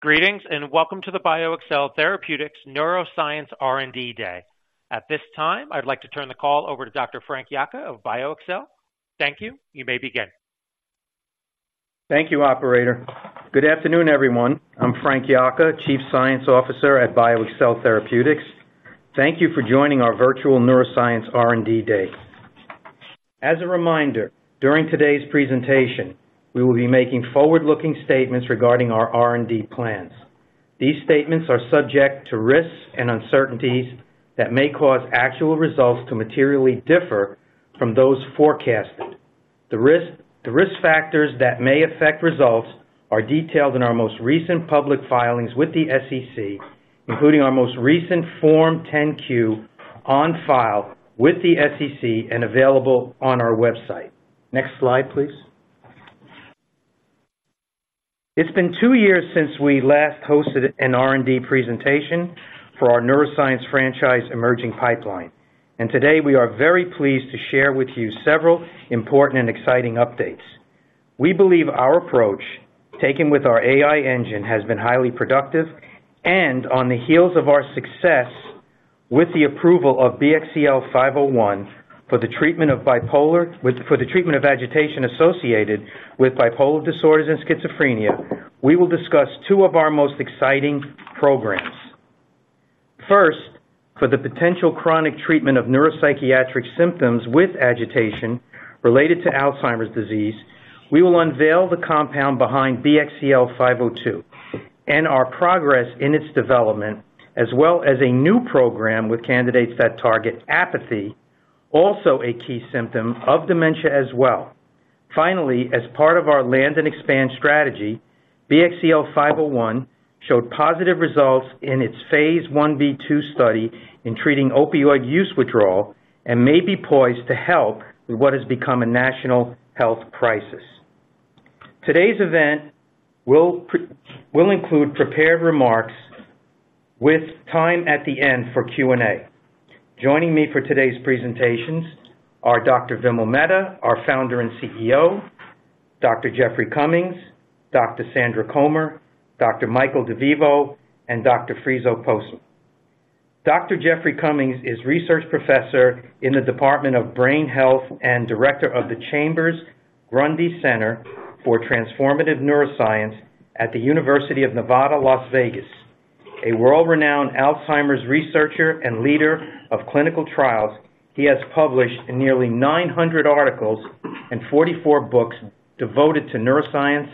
Greetings, and welcome to the BioXcel Therapeutics Neuroscience R&D Day. At this time, I'd like to turn the call over to Dr. Frank Yocca of BioXcel. Thank you. You may begin. Thank you, operator. Good afternoon, everyone. I'm Frank Yocca, Chief Scientific Officer at BioXcel Therapeutics. Thank you for joining our virtual Neuroscience R&D Day. As a reminder, during today's presentation, we will be making forward-looking statements regarding our R&D plans. These statements are subject to risks and uncertainties that may cause actual results to materially differ from those forecasted. The risk, the risk factors that may affect results are detailed in our most recent public filings with the SEC, including our most recent Form 10-Q on file with the SEC and available on our website. Next slide, please. It's been two years since we last hosted an R&D presentation for our neuroscience franchise emerging pipeline, and today we are very pleased to share with you several important and exciting updates. We believe our approach, taken with our AI engine, has been highly productive and on the heels of our success with the approval of BXCL501 for the treatment of agitation associated with bipolar disorders and schizophrenia, we will discuss two of our most exciting programs. First, for the potential chronic treatment of neuropsychiatric symptoms with agitation related to Alzheimer's disease, we will unveil the compound behind BXCL502 and our progress in its development, as well as a new program with candidates that target apathy, also a key symptom of dementia as well. Finally, as part of our land and expand strategy, BXCL501 showed positive results in its phase Ib/II study in treating opioid use withdrawal and may be poised to help with what has become a national health crisis. Today's event will include prepared remarks with time at the end for Q&A. Joining me for today's presentations are Dr. Vimal Mehta, our founder and CEO, Dr. Jeffrey Cummings, Dr. Sandra Comer, Dr. Michael De Vivo, and Dr. Friso Postma. Dr. Jeffrey Cummings is Research Professor in the Department of Brain Health and Director of the Chambers-Grundy Center for Transformative Neuroscience at the University of Nevada, Las Vegas. A world-renowned Alzheimer's researcher and leader of clinical trials, he has published nearly 900 articles and 44 books devoted to neuroscience,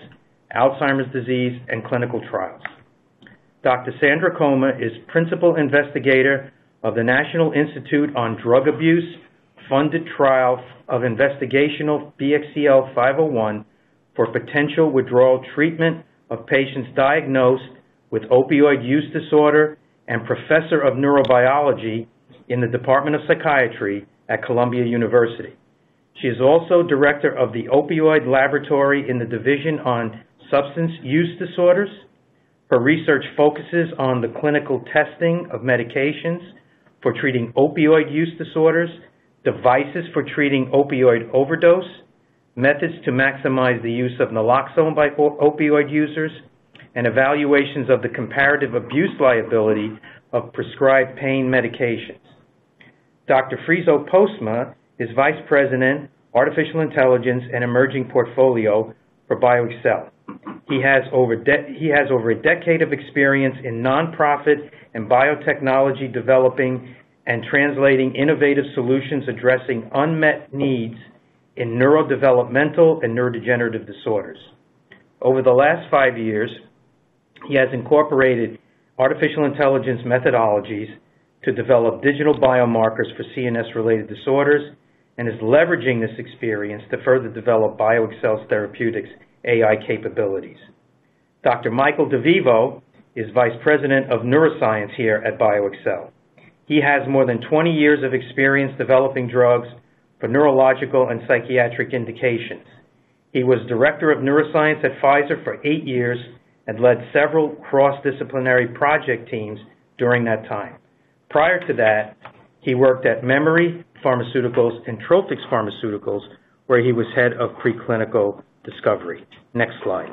Alzheimer's disease, and clinical trials. Dr. Sandra Comer is Principal Investigator of the National Institute on Drug Abuse-funded Trial of Investigational BXCL501 for potential withdrawal treatment of patients diagnosed with opioid use disorder and professor of neurobiology in the Department of Psychiatry at Columbia University. She is also Director of the Opioid Laboratory in the Division on Substance Use Disorders. Her research focuses on the clinical testing of medications for treating opioid use disorders, devices for treating opioid overdose, methods to maximize the use of naloxone by opioid users, and evaluations of the comparative abuse liability of prescribed pain medications. Dr. Friso Postma is Vice President, Artificial Intelligence and Emerging Portfolio for BioXcel. He has over a decade of experience in nonprofit and biotechnology, developing and translating innovative solutions, addressing unmet needs in neurodevelopmental and neurodegenerative disorders. Over the last five years, he has incorporated artificial intelligence methodologies to develop digital biomarkers for CNS-related disorders and is leveraging this experience to further develop BioXcel Therapeutics' AI capabilities. Dr. Michael De Vivo is Vice President of Neuroscience here at BioXcel. He has more than 20 years of experience developing drugs for neurological and psychiatric indications. He was Director of Neuroscience at Pfizer for eight years and led several cross-disciplinary project teams during that time. Prior to that, he worked at Memory Pharmaceuticals and Trophix Pharmaceuticals, where he was Head of Preclinical Discovery. Next slide.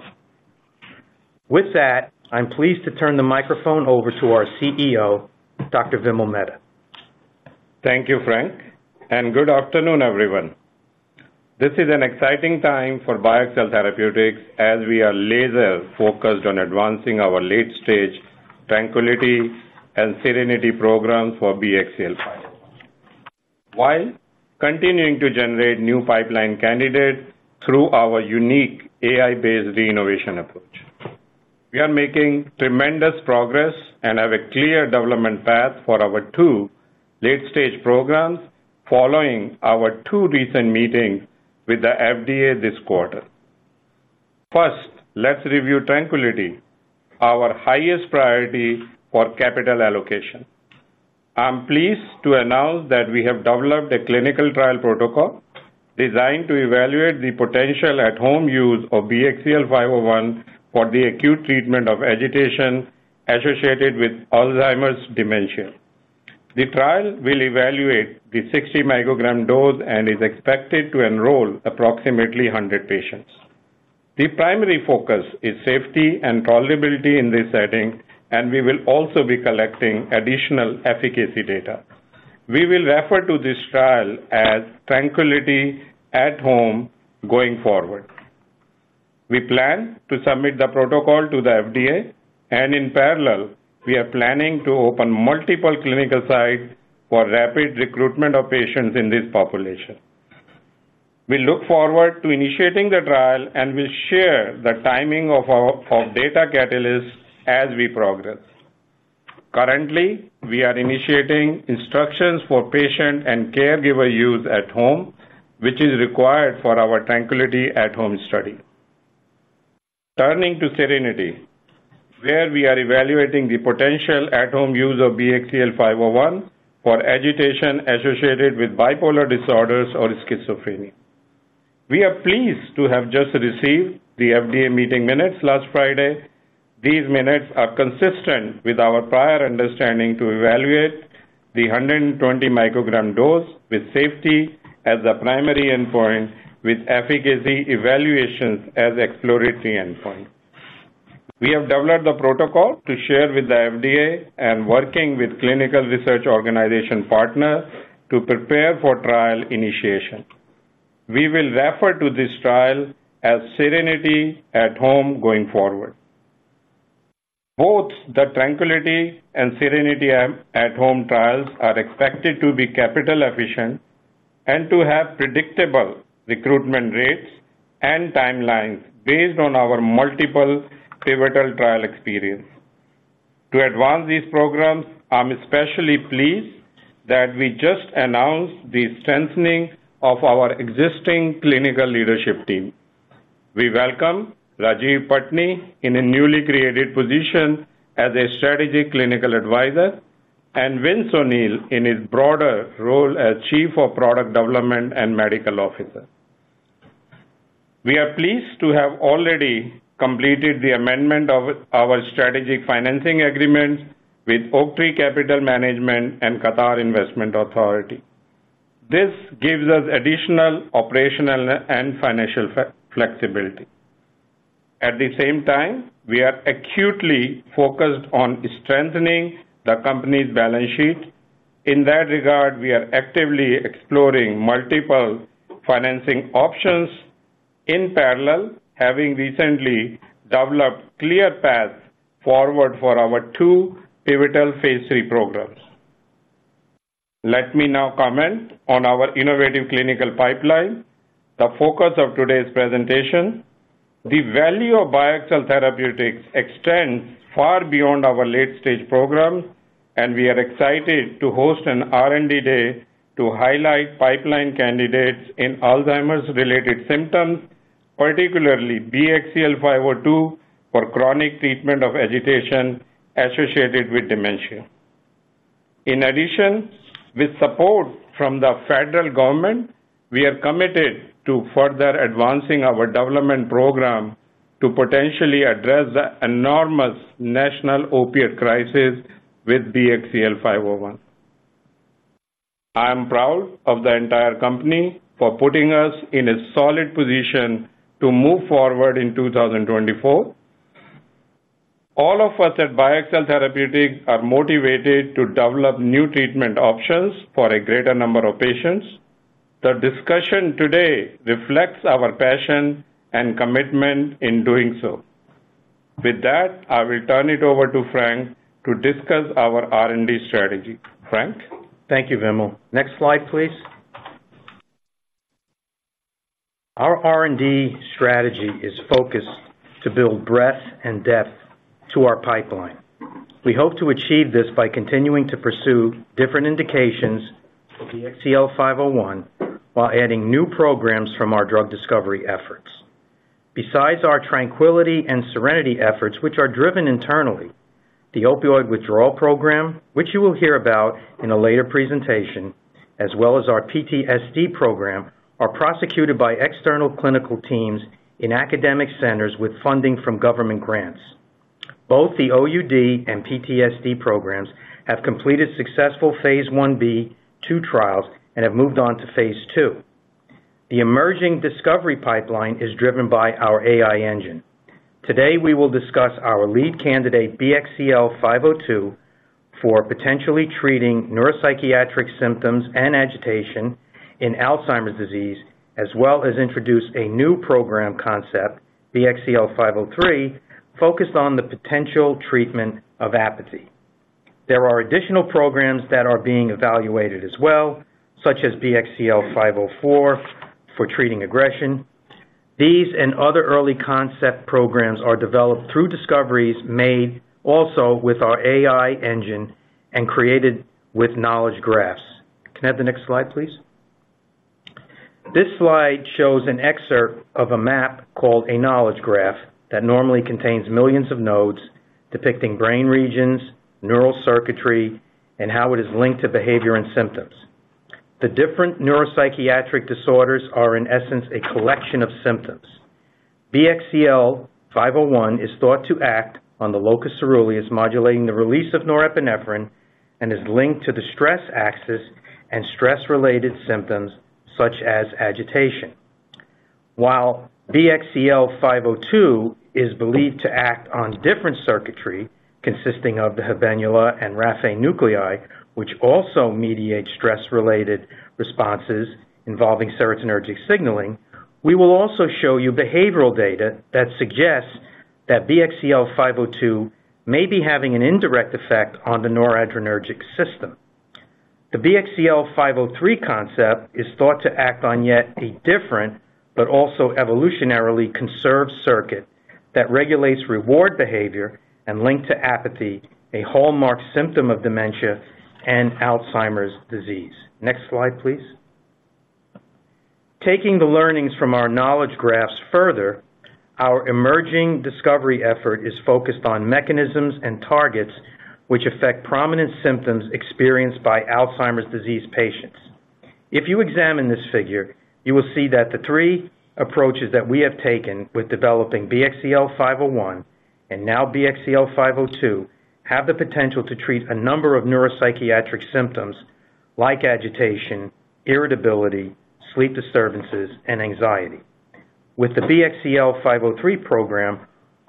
With that, I'm pleased to turn the microphone over to our CEO, Dr. Vimal Mehta. Thank you, Frank, and good afternoon, everyone. This is an exciting time for BioXcel Therapeutics as we are laser focused on advancing our late-stage TRANQUILITY and SERENITY programs for BXCL501, while continuing to generate new pipeline candidates through our unique AI-based reinnovation approach. We are making tremendous progress and have a clear development path for our two late-stage programs following our two recent meetings with the FDA this quarter. First, let's review TRANQUILITY, our highest priority for capital allocation. I'm pleased to announce that we have developed a clinical trial protocol designed to evaluate the potential at-home use of BXCL501 for the acute treatment of agitation associated with Alzheimer's dementia. The trial will evaluate the 60 microgram dose and is expected to enroll approximately 100 patients. The primary focus is safety and tolerability in this setting, and we will also be collecting additional efficacy data. We will refer to this trial as TRANQUILITY At-Home going forward. We plan to submit the protocol to the FDA, and in parallel, we are planning to open multiple clinical sites for rapid recruitment of patients in this population. We look forward to initiating the trial, and we'll share the timing of our four data catalysts as we progress. Currently, we are initiating instructions for patient and caregiver use at home, which is required for our TRANQUILITY At-Home study. Turning to SERENITY, where we are evaluating the potential at-home use of BXCL501 for agitation associated with bipolar disorders or schizophrenia. We are pleased to have just received the FDA meeting minutes last Friday. These minutes are consistent with our prior understanding to evaluate the 120 mcg dose, with safety as the primary endpoint, with efficacy evaluations as exploratory endpoint. We have developed the protocol to share with the FDA and working with clinical research organization partners to prepare for trial initiation. We will refer to this trial as SERENITY At-Home going forward. Both the TRANQUILITY and SERENITY At-Home trials are expected to be capital efficient and to have predictable recruitment rates and timelines based on our multiple pivotal trial experience. To advance these programs, I'm especially pleased that we just announced the strengthening of our existing clinical leadership team. We welcome Rajiv Patni in a newly created position as a strategic clinical advisor, and Vince O'Neill in his broader role as Chief of Product Development and Medical Officer. We are pleased to have already completed the amendment of our strategic financing agreements with Oaktree Capital Management and Qatar Investment Authority. This gives us additional operational and financial flexibility. At the same time, we are acutely focused on strengthening the company's balance sheet. In that regard, we are actively exploring multiple financing options in parallel, having recently developed clear path forward for our two pivotal phase III programs. Let me now comment on our innovative clinical pipeline, the focus of today's presentation. The value of BioXcel Therapeutics extends far beyond our late-stage programs, and we are excited to host an R&D Day to highlight pipeline candidates in Alzheimer's-related symptoms, particularly BXCL502 for chronic treatment of agitation associated with dementia. In addition, with support from the federal government, we are committed to further advancing our development program to potentially address the enormous national opioid crisis with BXCL501. I am proud of the entire company for putting us in a solid position to move forward in 2024. All of us at BioXcel Therapeutics are motivated to develop new treatment options for a greater number of patients. The discussion today reflects our passion and commitment in doing so. With that, I will turn it over to Frank to discuss our R&D strategy. Frank? Thank you, Vimal. Next slide, please. Our R&D strategy is focused to build breadth and depth to our pipeline. We hope to achieve this by continuing to pursue different indications for BXCL501, while adding new programs from our drug discovery efforts. Besides our TRANQUILITY and SERENITY efforts, which are driven internally, the opioid withdrawal program, which you will hear about in a later presentation, as well as our PTSD program, are prosecuted by external clinical teams in academic centers with funding from government grants. Both the OUD and PTSD programs have completed successful Phase Ib/II trials and have moved on to Phase II. The emerging discovery pipeline is driven by our AI engine. Today, we will discuss our lead candidate, BXCL502, for potentially treating neuropsychiatric symptoms and agitation in Alzheimer's disease, as well as introduce a new program concept, BXCL503, focused on the potential treatment of apathy. There are additional programs that are being evaluated as well, such as BXCL504, for treating aggression. These and other early concept programs are developed through discoveries made also with our AI engine and created with knowledge graphs. Can I have the next slide, please? This slide shows an excerpt of a map called a knowledge graph, that normally contains millions of nodes depicting brain regions, neural circuitry, and how it is linked to behavior and symptoms. The different neuropsychiatric disorders are, in essence, a collection of symptoms. BXCL501 is thought to act on the locus coeruleus, modulating the release of norepinephrine and is linked to the stress axis and stress-related symptoms such as agitation. While BXCL502 is believed to act on different circuitry, consisting of the habenula and raphe nuclei, which also mediate stress-related responses involving serotonergic signaling. We will also show you behavioral data that suggests that BXCL502 may be having an indirect effect on the noradrenergic system. The BXCL503 concept is thought to act on yet a different but also evolutionarily conserved circuit that regulates reward behavior and linked to apathy, a hallmark symptom of dementia and Alzheimer's disease. Next slide, please. Taking the learnings from our knowledge graphs further, our emerging discovery effort is focused on mechanisms and targets which affect prominent symptoms experienced by Alzheimer's disease patients. If you examine this figure, you will see that the three approaches that we have taken with developing BXCL501 and now BXCL502, have the potential to treat a number of neuropsychiatric symptoms like agitation, irritability, sleep disturbances, and anxiety. With the BXCL503 program,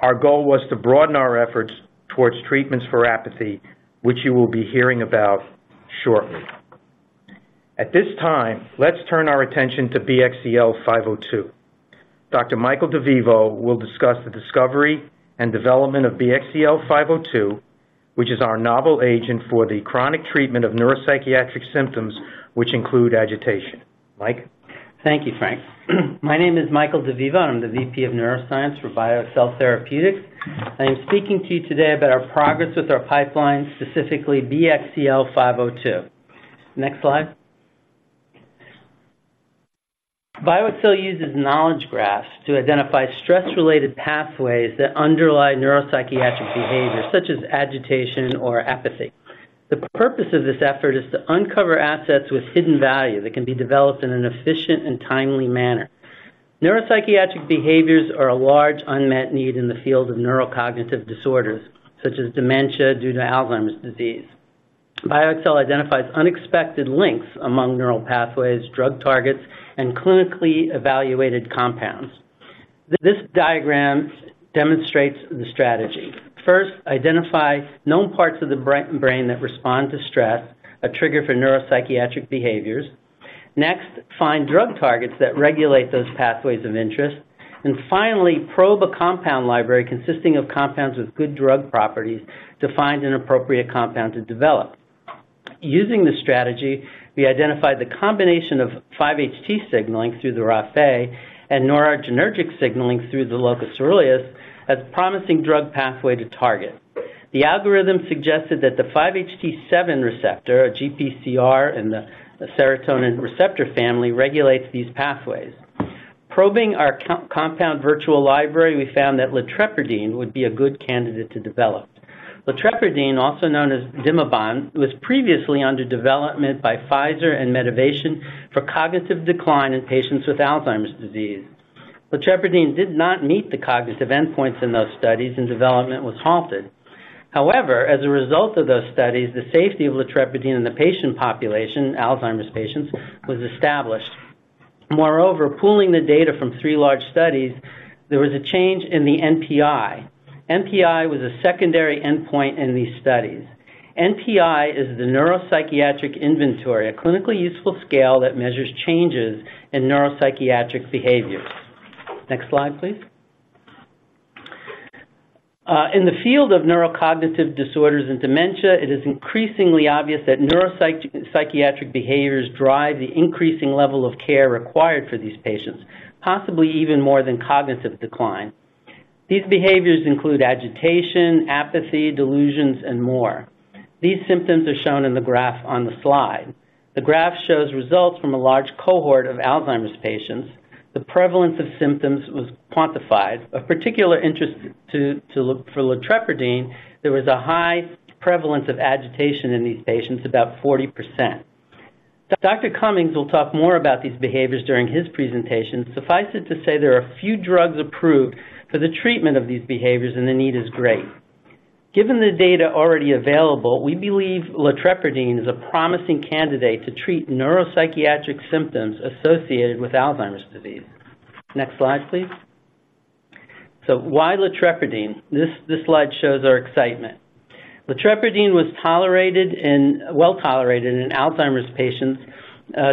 our goal was to broaden our efforts towards treatments for apathy, which you will be hearing about shortly. At this time, let's turn our attention to BXCL502. Dr. Michael De Vivo will discuss the discovery and development of BXCL502, which is our novel agent for the chronic treatment of neuropsychiatric symptoms, which include agitation. Mike? Thank you, Frank. My name is Michael De Vivo, and I'm the VP of Neuroscience for BioXcel Therapeutics. I am speaking to you today about our progress with our pipeline, specifically BXCL502. Next slide. BioXcel uses knowledge graphs to identify stress-related pathways that underlie neuropsychiatric behaviors, such as agitation or apathy. The purpose of this effort is to uncover assets with hidden value that can be developed in an efficient and timely manner. Neuropsychiatric behaviors are a large unmet need in the field of neurocognitive disorders, such as dementia due to Alzheimer's disease. BioXcel identifies unexpected links among neural pathways, drug targets, and clinically evaluated compounds. This diagram demonstrates the strategy. First, identify known parts of the brain that respond to stress, a trigger for neuropsychiatric behaviors. Next, find drug targets that regulate those pathways of interest, and finally, probe a compound library consisting of compounds with good drug properties to find an appropriate compound to develop. Using this strategy, we identified the combination of 5-HT signaling through the raphe and noradrenergic signaling through the locus coeruleus as promising drug pathway to target. The algorithm suggested that the 5-HT7 receptor, a GPCR in the serotonin receptor family, regulates these pathways. Probing our compound virtual library, we found that latrepirdine would be a good candidate to develop. Latrepirdine, also known as Dimebon, was previously under development by Pfizer and Medivation for cognitive decline in patients with Alzheimer's disease. Latrepirdine did not meet the cognitive endpoints in those studies, and development was halted. However, as a result of those studies, the safety of latrepirdine in the patient population, Alzheimer's patients, was established. Moreover, pooling the data from three large studies, there was a change in the NPI. NPI was a secondary endpoint in these studies. NPI is the Neuropsychiatric Inventory, a clinically useful scale that measures changes in neuropsychiatric behaviors. Next slide, please. In the field of neurocognitive disorders and dementia, it is increasingly obvious that neuropsychiatric behaviors drive the increasing level of care required for these patients, possibly even more than cognitive decline. These behaviors include agitation, apathy, delusions, and more. These symptoms are shown in the graph on the slide. The graph shows results from a large cohort of Alzheimer's patients. The prevalence of symptoms was quantified. Of particular interest for latrepirdine, there was a high prevalence of agitation in these patients, about 40%. Dr. Cummings will talk more about these behaviors during his presentation. Suffice it to say, there are a few drugs approved for the treatment of these behaviors, and the need is great. Given the data already available, we believe latrepirdine is a promising candidate to treat neuropsychiatric symptoms associated with Alzheimer's disease. Next slide, please. So why latrepirdine? This slide shows our excitement. Latrepirdine was well tolerated in Alzheimer's patients,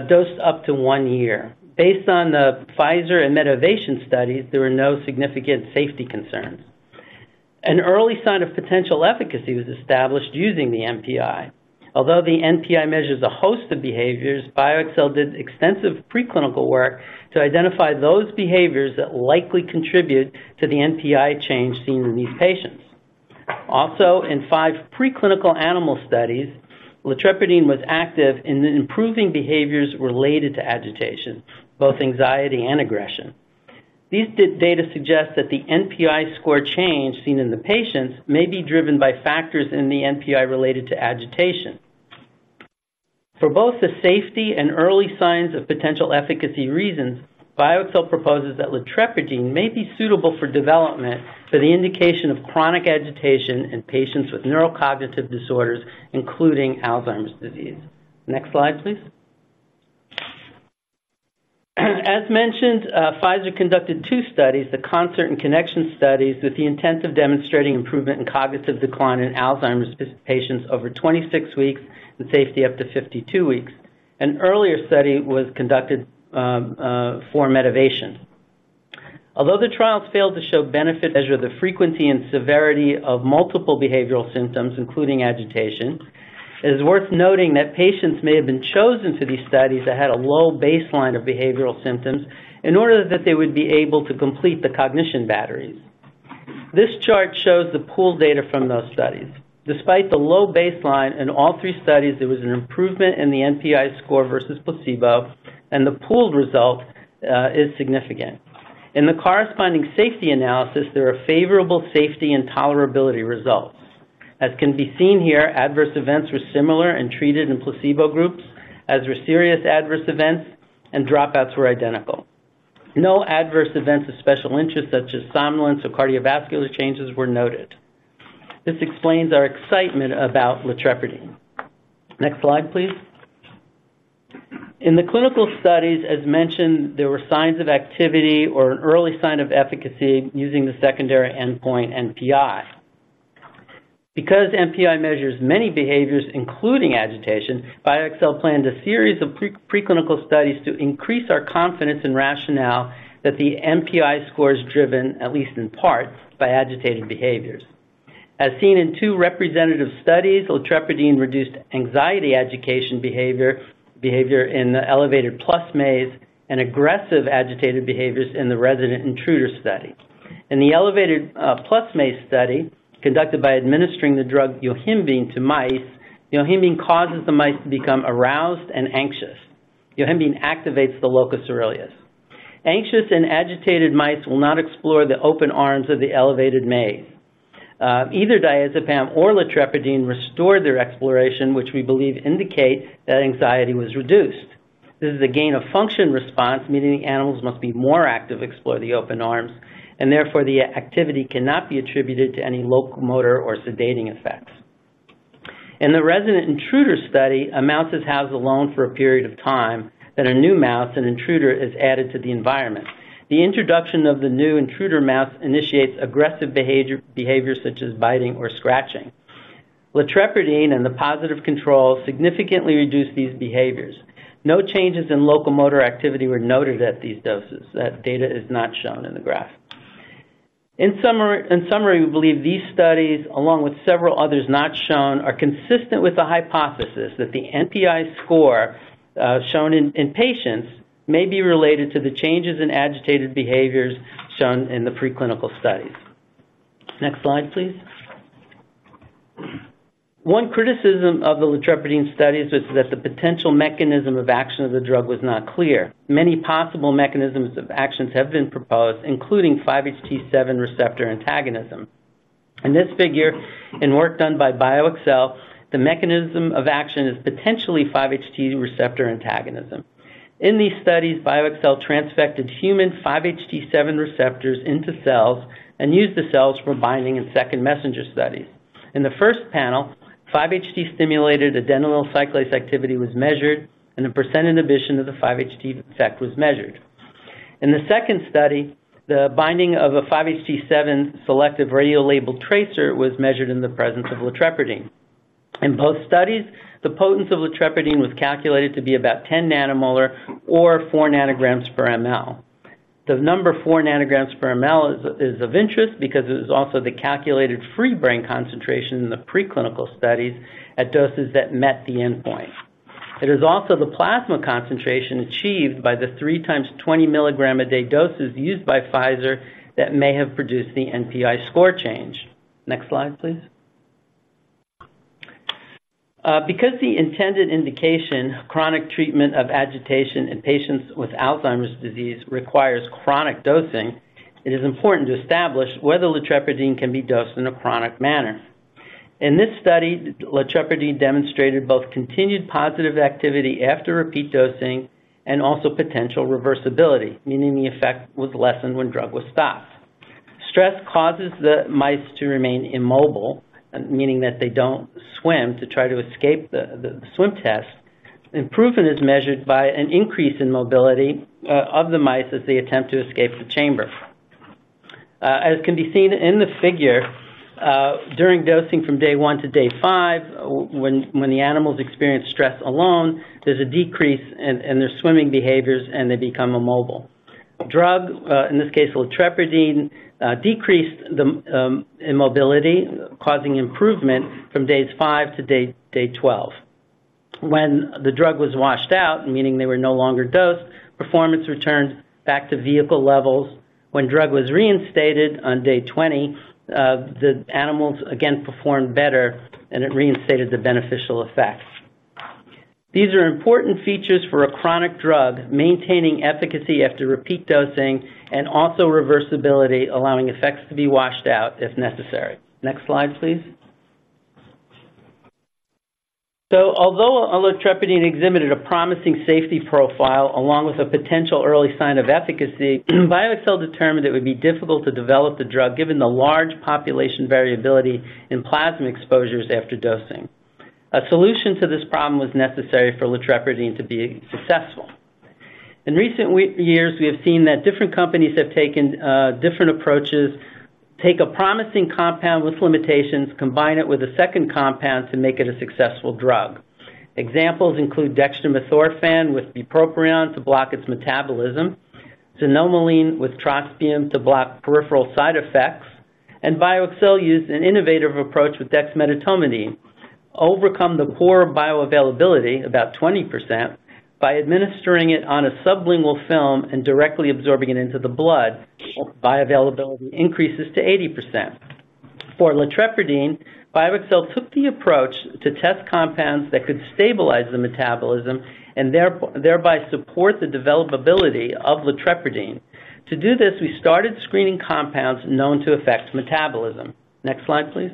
dosed up to one year. Based on the Pfizer and Medivation studies, there were no significant safety concerns. An early sign of potential efficacy was established using the NPI. Although the NPI measures a host of behaviors, BioXcel did extensive preclinical work to identify those behaviors that likely contribute to the NPI change seen in these patients. Also, in five preclinical animal studies, latrepirdine was active in improving behaviors related to agitation, both anxiety and aggression. These data suggest that the NPI score change seen in the patients may be driven by factors in the NPI related to agitation. For both the safety and early signs of potential efficacy reasons, BioXcel proposes that latrepirdine may be suitable for development for the indication of chronic agitation in patients with neurocognitive disorders, including Alzheimer's disease. Next slide, please. As mentioned, Pfizer conducted two studies: the CONCERT and CONNECTION studies, with the intent of demonstrating improvement in cognitive decline in Alzheimer's patients over 26 weeks, and safety up to 52 weeks. An earlier study was conducted for Medivation. Although the trials failed to show benefit, measure the frequency and severity of multiple behavioral symptoms, including agitation, it is worth noting that patients may have been chosen for these studies that had a low baseline of behavioral symptoms in order that they would be able to complete the cognition batteries. This chart shows the pooled data from those studies. Despite the low baseline in all three studies, there was an improvement in the NPI score versus placebo, and the pooled result is significant. In the corresponding safety analysis, there are favorable safety and tolerability results. As can be seen here, adverse events were similar between treated and placebo groups, as were serious adverse events, and dropouts were identical. No adverse events of special interest, such as somnolence or cardiovascular changes, were noted. This explains our excitement about latrepirdine. Next slide, please. In the clinical studies, as mentioned, there were signs of activity or an early sign of efficacy using the secondary endpoint, NPI. Because NPI measures many behaviors, including agitation, BioXcel planned a series of preclinical studies to increase our confidence and rationale that the NPI score is driven, at least in part, by agitating behaviors. As seen in two representative studies, latrepirdine reduced anxiety, agitation, behavior in the elevated plus maze and aggressive agitated behaviors in the resident intruder study. In the elevated plus maze study, conducted by administering the drug yohimbine to mice, yohimbine causes the mice to become aroused and anxious. Yohimbine activates the locus coeruleus. Anxious and agitated mice will not explore the open arms of the elevated maze. Either diazepam or latrepirdine restored their exploration, which we believe indicates that anxiety was reduced. This is a gain of function response, meaning the animals must be more active, explore the open arms, and therefore, the activity cannot be attributed to any locomotor or sedating effects. In the resident intruder study, a mouse is housed alone for a period of time, then a new mouse, an intruder, is added to the environment. The introduction of the new intruder mouse initiates aggressive behavior, behaviors such as biting or scratching. Latrepirdine and the positive control significantly reduced these behaviors. No changes in locomotor activity were noted at these doses. That data is not shown in the graph. In summary, in summary, we believe these studies, along with several others not shown, are consistent with the hypothesis that the NPI score shown in patients may be related to the changes in agitated behaviors shown in the preclinical studies. Next slide, please. One criticism of the latrepirdine studies is that the potential mechanism of action of the drug was not clear. Many possible mechanisms of actions have been proposed, including 5-HT7 receptor antagonism. In this figure, in work done by BioXcel, the mechanism of action is potentially 5-HT7 receptor antagonism. In these studies, BioXcel transfected human 5-HT7 receptors into cells and used the cells for binding and second messenger studies. In the first panel, 5-HT stimulated adenyl cyclase activity was measured, and the percentage inhibition of the 5-HT effect was measured. In the second study, the binding of a 5-HT7 selective radiolabeled tracer was measured in the presence of latrepirdine. In both studies, the potency of latrepirdine was calculated to be about 10 nM or 4 ng/mL. The number 4 ng/mL is of interest because it is also the calculated free brain concentration in the preclinical studies at doses that met the endpoint. It is also the plasma concentration achieved by the three times 20 mg a day doses used by Pfizer that may have produced the NPI score change. Next slide, please. Because the intended indication, chronic treatment of agitation in patients with Alzheimer's disease, requires chronic dosing, it is important to establish whether latrepirdine can be dosed in a chronic manner. In this study, latrepirdine demonstrated both continued positive activity after repeat dosing and also potential reversibility, meaning the effect was lessened when drug was stopped. Stress causes the mice to remain immobile, meaning that they don't swim to try to escape the swim test. Improvement is measured by an increase in mobility of the mice as they attempt to escape the chamber. As can be seen in the figure, during dosing from day one to day five, when the animals experience stress alone, there's a decrease in their swimming behaviors, and they become immobile. Drug, in this case, latrepirdine, decreased the immobility, causing improvement from days five to day 12. When the drug was washed out, meaning they were no longer dosed, performance returned back to vehicle levels. When drug was reinstated on day 20, the animals again performed better, and it reinstated the beneficial effect. These are important features for a chronic drug, maintaining efficacy after repeat dosing and also reversibility, allowing effects to be washed out if necessary. Next slide, please. So although, latrepirdine exhibited a promising safety profile along with a potential early sign of efficacy, BioXcel determined it would be difficult to develop the drug, given the large population variability in plasma exposures after dosing. A solution to this problem was necessary for latrepirdine to be successful. In recent years, we have seen that different companies have taken different approaches, take a promising compound with limitations, combine it with a second compound to make it a successful drug. Examples include dextromethorphan with bupropion to block its metabolism, xanomeline with trospium to block peripheral side effects, and BioXcel used an innovative approach with dexmedetomidine. Overcome the poor bioavailability, about 20%, by administering it on a sublingual film and directly absorbing it into the blood, bioavailability increases to 80%. For latrepirdine, BioXcel took the approach to test compounds that could stabilize the metabolism and thereby support the developability of latrepirdine. To do this, we started screening compounds known to affect metabolism. Next slide, please.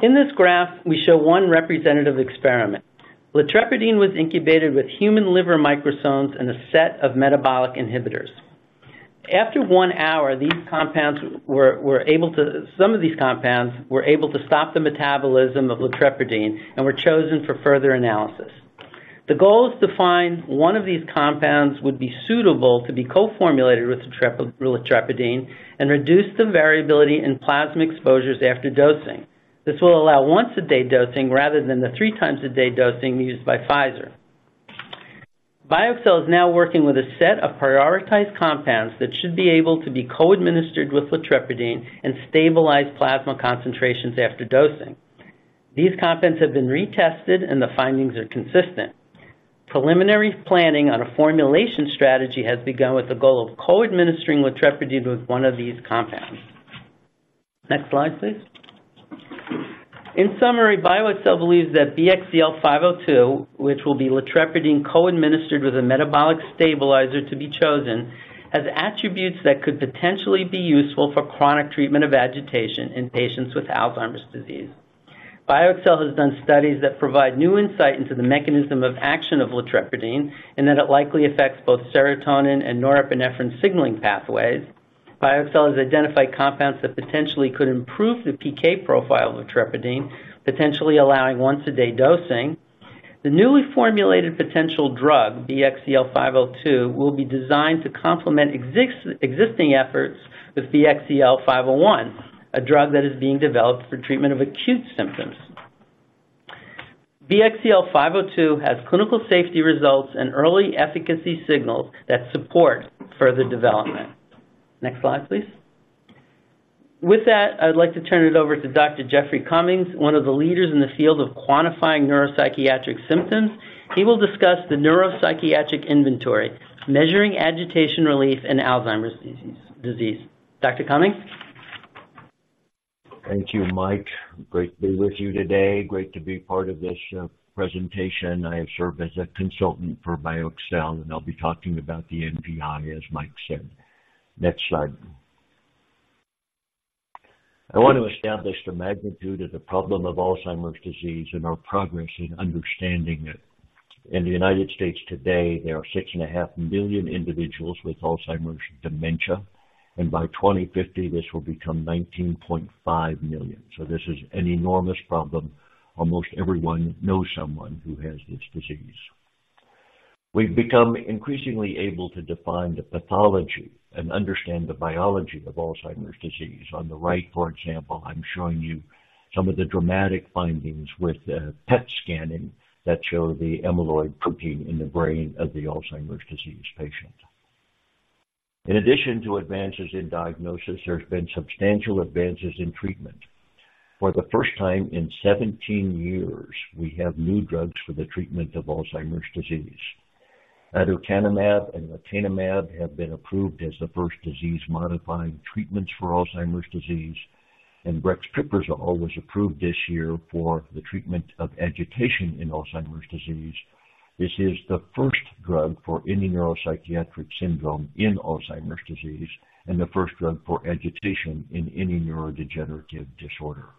In this graph, we show one representative experiment. Latrepirdine was incubated with human liver microsomes and a set of metabolic inhibitors. After one hour, some of these compounds were able to stop the metabolism of latrepirdine and were chosen for further analysis. The goal is to find one of these compounds would be suitable to be co-formulated with latrepirdine and reduce the variability in plasma exposures after dosing. This will allow once-a-day dosing, rather than the three times a day dosing used by Pfizer. BioXcel is now working with a set of prioritized compounds that should be able to be co-administered with latrepirdine and stabilize plasma concentrations after dosing. These compounds have been retested and the findings are consistent. Preliminary planning on a formulation strategy has begun with the goal of co-administering latrepirdine with one of these compounds. Next slide, please. In summary, BioXcel believes that BXCL502, which will be latrepirdine co-administered with a metabolic stabilizer to be chosen, has attributes that could potentially be useful for chronic treatment of agitation in patients with Alzheimer's disease. BioXcel has done studies that provide new insight into the mechanism of action of latrepirdine, and that it likely affects both serotonin and norepinephrine signaling pathways. BioXcel has identified compounds that potentially could improve the PK profile of latrepirdine, potentially allowing once-a-day dosing. The newly formulated potential drug, BXCL502, will be designed to complement existing efforts with BXCL501, a drug that is being developed for treatment of acute symptoms. BXCL502 has clinical safety results and early efficacy signals that support further development. Next slide, please. With that, I'd like to turn it over to Dr. Jeffrey Cummings, one of the leaders in the field of quantifying neuropsychiatric symptoms. He will discuss the Neuropsychiatric Inventory, measuring agitation relief in Alzheimer's disease. Dr. Cummings? Thank you, Mike. Great to be with you today. Great to be part of this presentation. I serve as a consultant for BioXcel, and I'll be talking about the NPI, as Mike said. Next slide. I want to establish the magnitude of the problem of Alzheimer's disease and our progress in understanding it. In the United States today, there are 6.5 million individuals with Alzheimer's dementia, and by 2050, this will become 19.5 million. So this is an enormous problem. Almost everyone knows someone who has this disease. We've become increasingly able to define the pathology and understand the biology of Alzheimer's disease. On the right, for example, I'm showing you some of the dramatic findings with PET scanning that show the amyloid protein in the brain of the Alzheimer's disease patient. In addition to advances in diagnosis, there's been substantial advances in treatment. For the first time in 17 years, we have new drugs for the treatment of Alzheimer's disease. Aducanumab and lecanemab have been approved as the first disease-modifying treatments for Alzheimer's disease, and brexpiprazole was approved this year for the treatment of agitation in Alzheimer's disease. This is the first drug for any neuropsychiatric syndrome in Alzheimer's disease, and the first drug for agitation in any neurodegenerative disorder.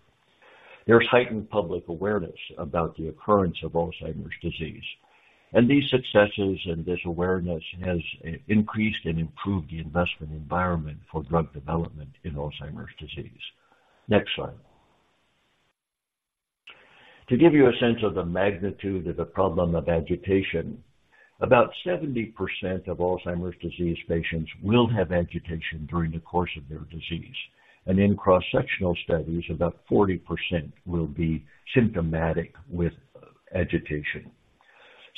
There's heightened public awareness about the occurrence of Alzheimer's disease, and these successes and this awareness has increased and improved the investment environment for drug development in Alzheimer's disease. Next slide. To give you a sense of the magnitude of the problem of agitation, about 70% of Alzheimer's disease patients will have agitation during the course of their disease, and in cross-sectional studies, about 40% will be symptomatic with agitation.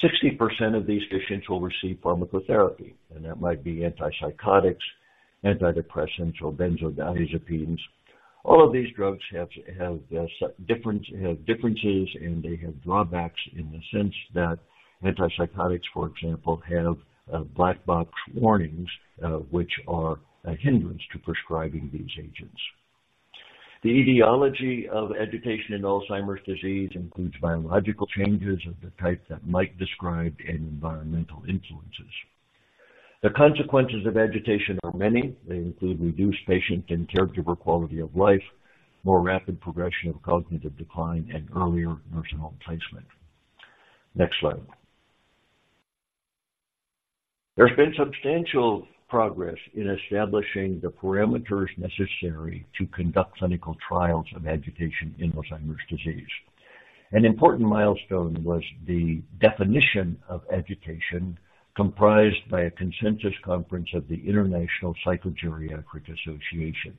60% of these patients will receive pharmacotherapy, and that might be antipsychotics, antidepressants, or benzodiazepines. All of these drugs have different differences, and they have drawbacks in the sense that antipsychotics, for example, have black box warnings, which are a hindrance to prescribing these agents. The etiology of agitation in Alzheimer's disease includes biological changes of the type that Mike described and environmental influences. The consequences of agitation are many. They include reduced patient and caregiver quality of life, more rapid progression of cognitive decline, and earlier nursing home placement. Next slide. There's been substantial progress in establishing the parameters necessary to conduct clinical trials of agitation in Alzheimer's disease. An important milestone was the definition of agitation, comprised by a consensus conference of the International Psychogeriatric Association.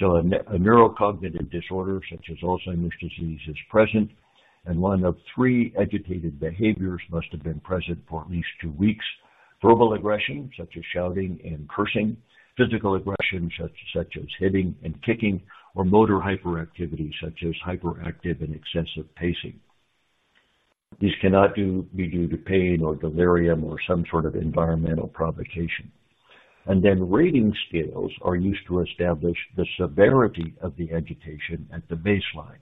So a neurocognitive disorder, such as Alzheimer's disease, is present, and one of three agitated behaviors must have been present for at least two weeks: verbal aggression, such as shouting and cursing, physical aggression, such as hitting and kicking, or motor hyperactivity, such as hyperactive and excessive pacing. These cannot be due to pain or delirium or some sort of environmental provocation. And then rating scales are used to establish the severity of the agitation at the baseline.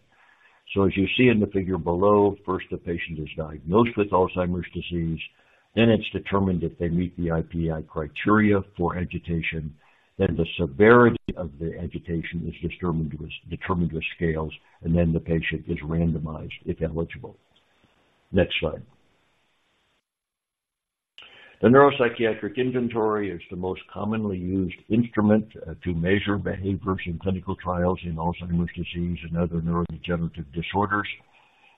So as you see in the figure below, first, the patient is diagnosed with Alzheimer's disease, then it's determined if they meet the IPA criteria for agitation. Then the severity of the agitation is determined with scales, and then the patient is randomized, if eligible. Next slide. The Neuropsychiatric Inventory is the most commonly used instrument to measure behaviors in clinical trials in Alzheimer's disease and other neurodegenerative disorders.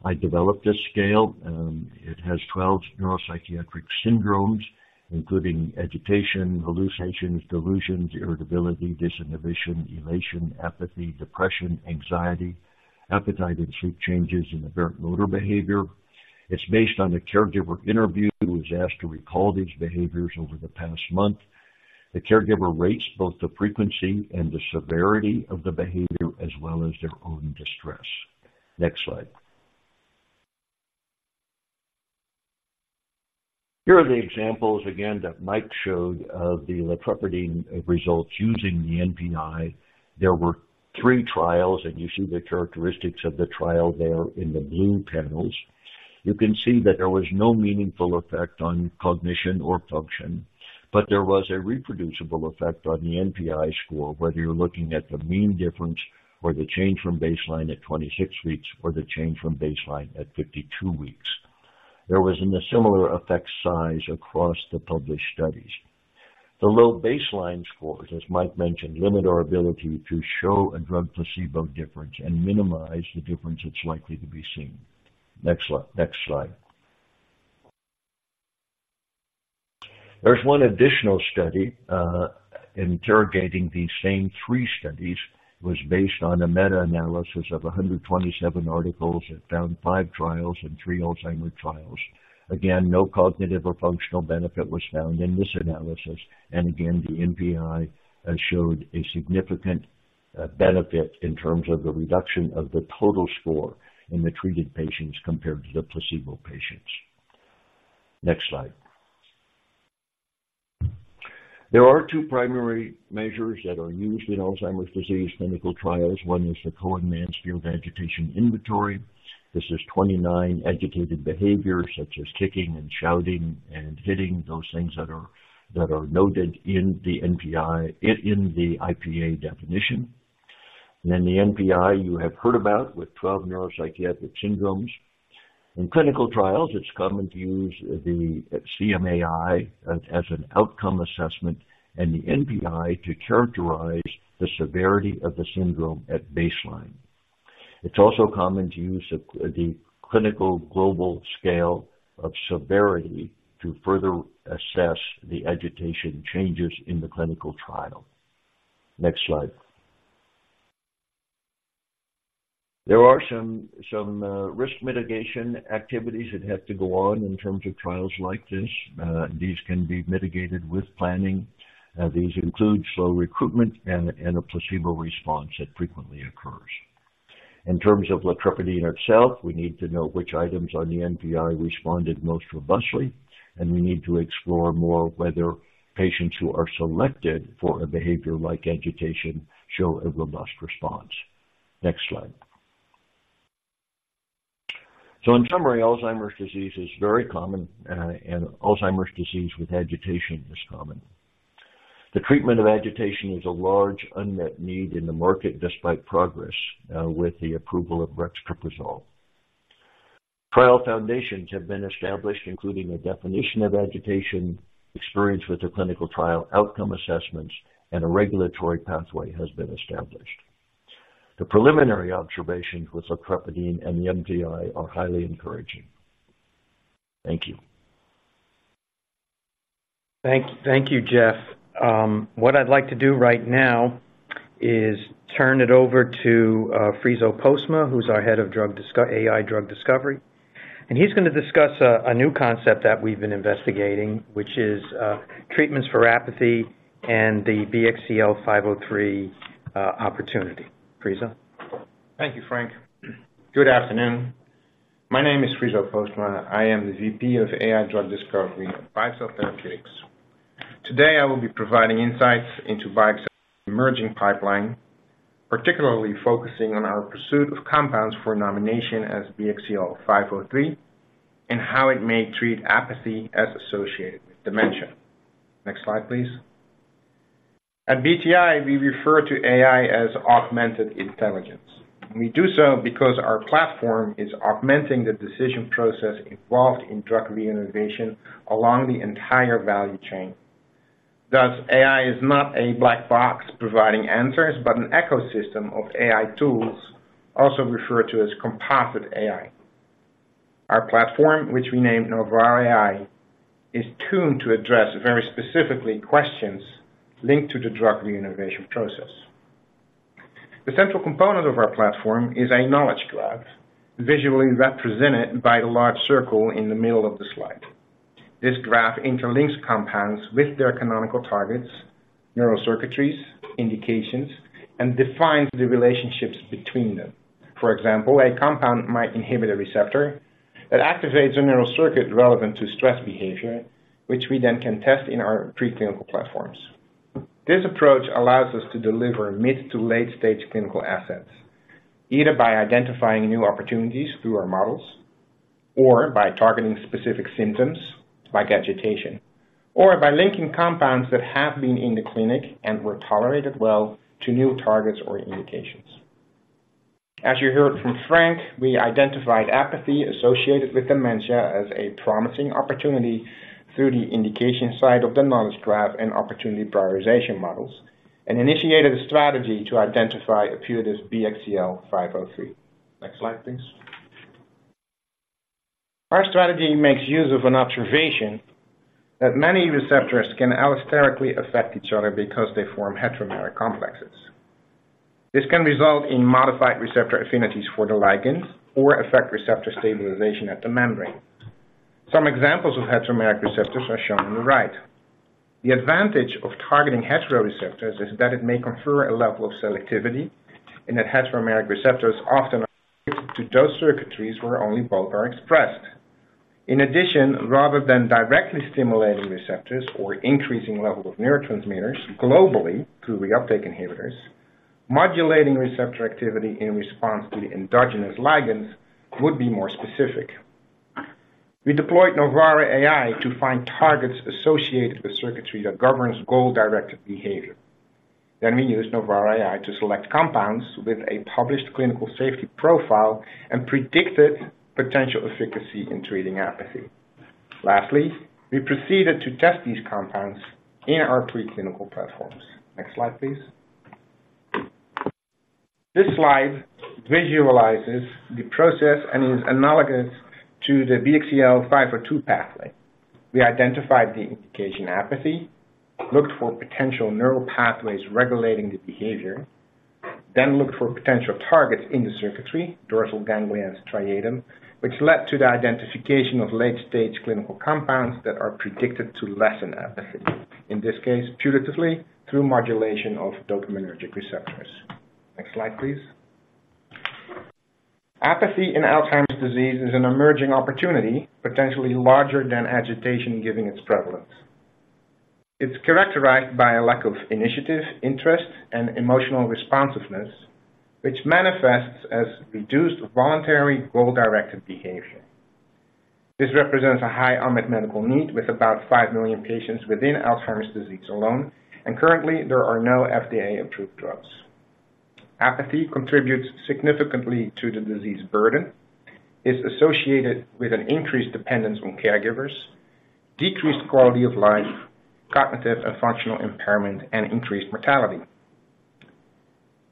I developed this scale, and it has 12 neuropsychiatric syndromes, including agitation, hallucinations, delusions, irritability, disinhibition, elation, apathy, depression, anxiety, appetite and sleep changes, and aberrant motor behavior. It's based on a caregiver interview, who is asked to recall these behaviors over the past month. The caregiver rates both the frequency and the severity of the behavior, as well as their own distress. Next slide. Here are the examples again that Mike showed of the latrepirdine results using the NPI. There were three trials, and you see the characteristics of the trial there in the blue panels. You can see that there was no meaningful effect on cognition or function, but there was a reproducible effect on the NPI score, whether you're looking at the mean difference or the change from baseline at 26 weeks, or the change from baseline at 52 weeks. There was a similar effect size across the published studies. The low baseline scores, as Mike mentioned, limit our ability to show a drug-placebo difference and minimize the difference that's likely to be seen. Next slide, next slide. There's one additional study interrogating these same three studies, was based on a meta-analysis of 127 articles and found five trials and three Alzheimer's trials. Again, no cognitive or functional benefit was found in this analysis, and again, the NPI showed a significant benefit in terms of the reduction of the total score in the treated patients compared to the placebo patients. Next slide. There are two primary measures that are used in Alzheimer's disease clinical trials. One is the Cohen-Mansfield Agitation Inventory. This is 29 agitated behaviors, such as kicking and shouting and hitting, those things that are noted in the NPI in the IPA definition. And then the NPI, you have heard about, with 12 neuropsychiatric syndromes. In clinical trials, it's common to use the CMAI as an outcome assessment and the NPI to characterize the severity of the syndrome at baseline. It's also common to use the Clinical Global Scale of Severity to further assess the agitation changes in the clinical trial. Next slide. There are some risk mitigation activities that have to go on in terms of trials like this. These can be mitigated with planning. These include slow recruitment and a placebo response that frequently occurs. In terms of latrepirdine itself, we need to know which items on the NPI responded most robustly, and we need to explore more whether patients who are selected for a behavior like agitation show a robust response. Next slide. So in summary, Alzheimer's disease is very common, and Alzheimer's disease with agitation is common. The treatment of agitation is a large unmet need in the market, despite progress with the approval of brexpiprazole. Trial foundations have been established, including a definition of agitation, experience with the clinical trial, outcome assessments, and a regulatory pathway has been established. The preliminary observations with latrepirdine and the NPI are highly encouraging. Thank you. Thank you, Jeff. What I'd like to do right now is turn it over to Friso Postma, who's our head of AI drug discovery, and he's gonna discuss a new concept that we've been investigating, which is treatments for apathy and the BXCL503 opportunity. Friso? Thank you, Frank. Good afternoon. My name is Friso Postma. I am the VP of AI Drug Discovery at BioXcel Therapeutics.… Today, I will be providing insights into BioXcel's emerging pipeline, particularly focusing on our pursuit of compounds for nomination as BXCL503, and how it may treat apathy as associated with dementia. Next slide, please. At BTAI, we refer to AI as augmented intelligence. We do so because our platform is augmenting the decision process involved in drug re-innovation along the entire value chain. Thus, AI is not a black box providing answers, but an ecosystem of AI tools also referred to as composite AI. Our platform, which we named NovareAI, is tuned to address very specifically questions linked to the drug re-innovation process. The central component of our platform is a knowledge graph, visually represented by the large circle in the middle of the slide. This graph interlinks compounds with their canonical targets, neural circuitries, indications, and defines the relationships between them. For example, a compound might inhibit a receptor that activates a neural circuit relevant to stress behavior, which we then can test in our preclinical platforms. This approach allows us to deliver mid- to late-stage clinical assets, either by identifying new opportunities through our models or by targeting specific symptoms like agitation, or by linking compounds that have been in the clinic and were tolerated well to new targets or indications. As you heard from Frank, we identified apathy associated with dementia as a promising opportunity through the indication side of the knowledge graph and opportunity prioritization models, and initiated a strategy to identify a putative BXCL503. Next slide, please. Our strategy makes use of an observation that many receptors can allosterically affect each other because they form heteromeric complexes. This can result in modified receptor affinities for the ligands or affect receptor stabilization at the membrane. Some examples of heteromeric receptors are shown on the right. The advantage of targeting hetero receptors is that it may confer a level of selectivity, and that heteromeric receptors often to those circuitries where only both are expressed. In addition, rather than directly stimulating receptors or increasing levels of neurotransmitters globally through reuptake inhibitors, modulating receptor activity in response to the endogenous ligands would be more specific. We deployed NovareAI to find targets associated with circuitry that governs goal-directed behavior. Then we used NovareAI to select compounds with a published clinical safety profile and predicted potential efficacy in treating apathy. Lastly, we proceeded to test these compounds in our preclinical platforms. Next slide, please. This slide visualizes the process and is analogous to the BXCL502 pathway. We identified the indication apathy, looked for potential neural pathways regulating the behavior, then looked for potential targets in the circuitry, dorsal striatum, which led to the identification of late-stage clinical compounds that are predicted to lessen apathy. In this case, putatively through modulation of dopaminergic receptors. Next slide, please. Apathy in Alzheimer's disease is an emerging opportunity, potentially larger than agitation, given its prevalence. It's characterized by a lack of initiative, interest, and emotional responsiveness, which manifests as reduced voluntary, goal-directed behavior. This represents a high unmet medical need, with about 5 million patients within Alzheimer's disease alone, and currently, there are no FDA-approved drugs. Apathy contributes significantly to the disease burden, is associated with an increased dependence on caregivers, decreased quality of life, cognitive and functional impairment, and increased mortality.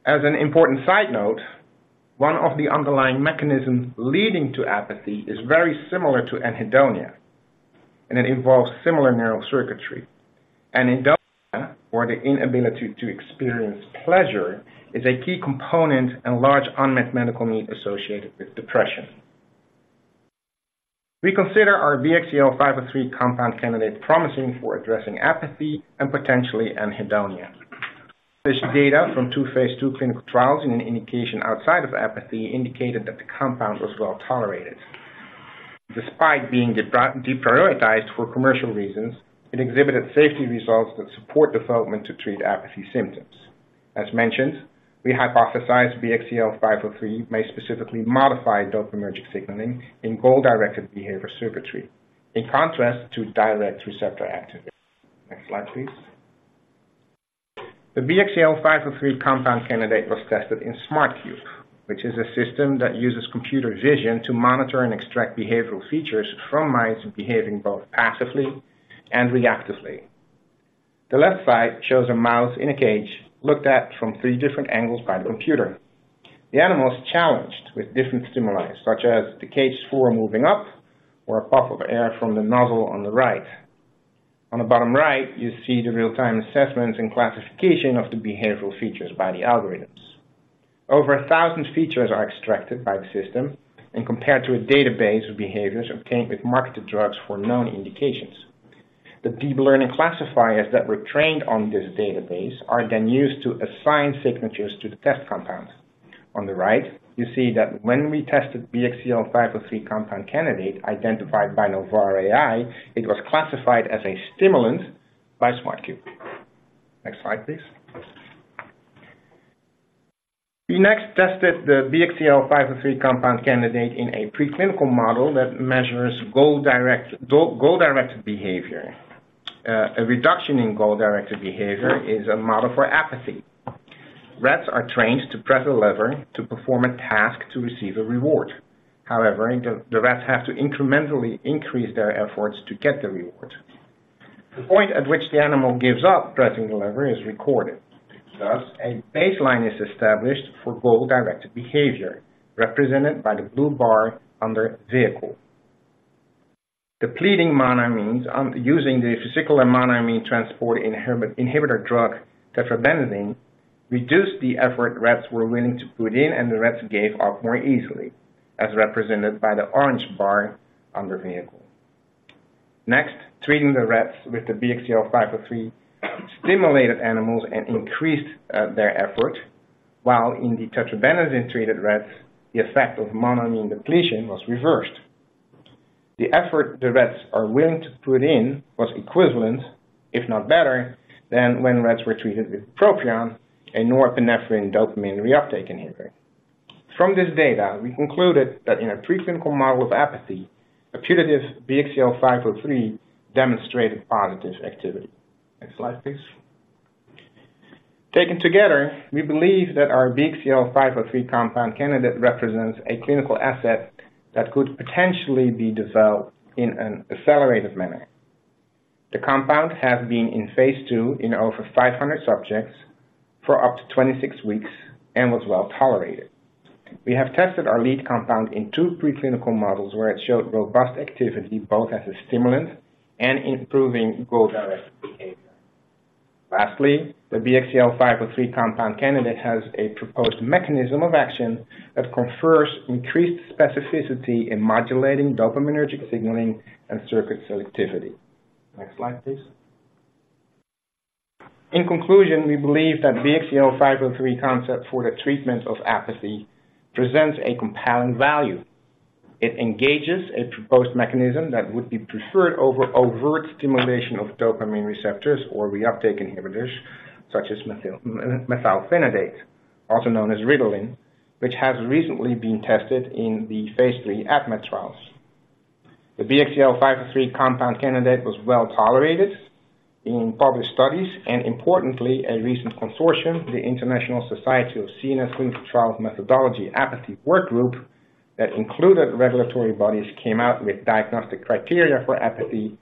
As an important side note, one of the underlying mechanisms leading to apathy is very similar to anhedonia, and it involves similar neural circuitry. Anhedonia, or the inability to experience pleasure, is a key component and large unmet medical need associated with depression. We consider our BXCL503 compound candidate promising for addressing apathy and potentially anhedonia. This data from two phase II clinical trials in an indication outside of apathy indicated that the compound was well tolerated. Despite being deprioritized for commercial reasons, it exhibited safety results that support development to treat apathy symptoms. As mentioned, we hypothesized BXCL503 may specifically modify dopaminergic signaling in goal-directed behavior circuitry, in contrast to direct receptor activation. Next slide, please. The BXCL503 compound candidate was tested in SmartCube, which is a system that uses computer vision to monitor and extract behavioral features from mice behaving both passively and reactively. The left side shows a mouse in a cage, looked at from three different angles by the computer. The animal is challenged with different stimuli, such as the cage floor moving up or a puff of air from the nozzle on the right. On the bottom right, you see the real-time assessments and classification of the behavioral features by the algorithms. Over 1,000 features are extracted by the system and compared to a database of behaviors obtained with marketed drugs for known indications. The deep learning classifiers that were trained on this database are then used to assign signatures to the test compounds. On the right, you see that when we tested BXCL503 compound candidate identified by NovareAI, it was classified as a stimulant by SmartCube. Next slide, please. We next tested the BXCL503 compound candidate in a preclinical model that measures goal-directed behavior. A reduction in goal-directed behavior is a model for apathy. Rats are trained to press a lever to perform a task to receive a reward. However, the rats have to incrementally increase their efforts to get the reward. The point at which the animal gives up pressing the lever is recorded. Thus, a baseline is established for goal-directed behavior, represented by the blue bar under Vehicle. Depleting monoamines using the vesicular monoamine transport inhibitor drug tetrabenazine, reduced the effort rats were willing to put in, and the rats gave up more easily, as represented by the orange bar under Vehicle. Next, treating the rats with the BXCL503 stimulated animals and increased their effort, while in the tetrabenazine-treated rats, the effect of monoamine depletion was reversed. The effort the rats are willing to put in was equivalent, if not better, than when rats were treated with bupropion, a norepinephrine dopamine reuptake inhibitor. From this data, we concluded that in a preclinical model of apathy, a putative BXCL503 demonstrated positive activity. Next slide, please. Taken together, we believe that our BXCL503 compound candidate represents a clinical asset that could potentially be developed in an accelerated manner. The compound has been in phase II in over 500 subjects for up to 26 weeks and was well tolerated. We have tested our lead compound in two preclinical models, where it showed robust activity, both as a stimulant and improving goal-directed behavior. Lastly, the BXCL503 compound candidate has a proposed mechanism of action that confers increased specificity in modulating dopaminergic signaling and circuit selectivity. Next slide, please. In conclusion, we believe that BXCL503 concept for the treatment of apathy presents a compelling value. It engages a proposed mechanism that would be preferred over overt stimulation of dopamine receptors or reuptake inhibitors, such as methylphenidate, also known as Ritalin, which has recently been tested in the phase III ADMET trials. The BXCL503 compound candidate was well tolerated in published studies and importantly, a recent consortium, the International Society of CNS Clinical Trials Methodology Apathy Work Group, that included regulatory bodies, came out with diagnostic criteria for apathy,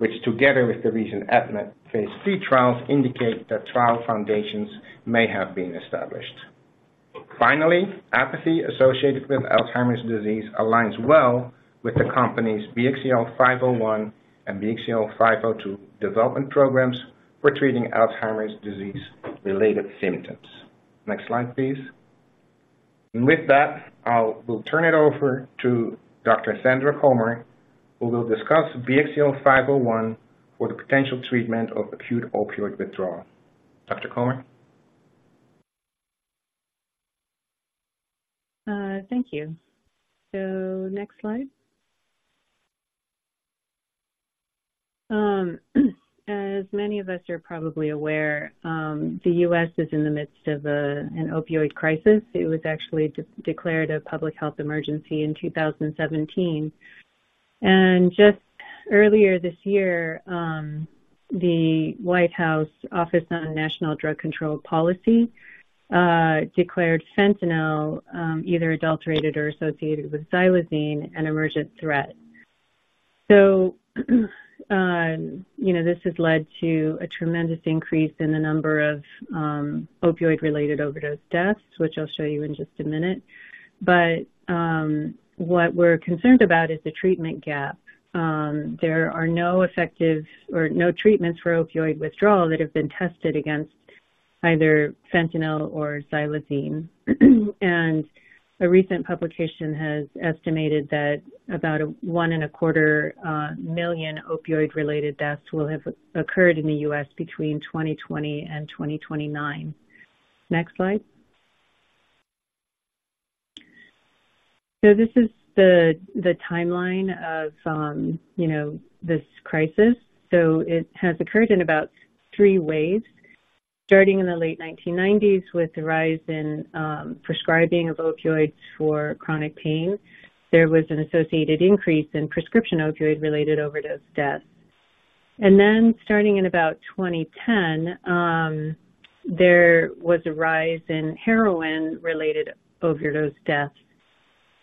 which together with the recent ADMET phase III trials, indicate that trial foundations may have been established. Finally, apathy associated with Alzheimer's disease aligns well with the company's BXCL501 and BXCL502 development programs for treating Alzheimer's disease-related symptoms. Next slide, please. And with that, I'll-- we'll turn it over to Dr. Sandra Comer, who will discuss BXCL501 for the potential treatment of acute opioid withdrawal. Dr. Comer? Thank you. So next slide. As many of us are probably aware, the U.S. is in the midst of an opioid crisis. It was actually declared a public health emergency in 2017. And just earlier this year, the White House Office of National Drug Control Policy declared fentanyl, either adulterated or associated with xylazine, an emergent threat. So, you know, this has led to a tremendous increase in the number of opioid-related overdose deaths, which I'll show you in just a minute. But what we're concerned about is the treatment gap. There are no effective or no treatments for opioid withdrawal that have been tested against either fentanyl or xylazine. A recent publication has estimated that about 1.25 million opioid-related deaths will have occurred in the U.S. between 2020 and 2029. Next slide. So this is the timeline of, you know, this crisis. So it has occurred in about 3 waves, starting in the late 1990s, with the rise in prescribing of opioids for chronic pain. There was an associated increase in prescription opioid-related overdose deaths. And then starting in about 2010, there was a rise in heroin-related overdose deaths.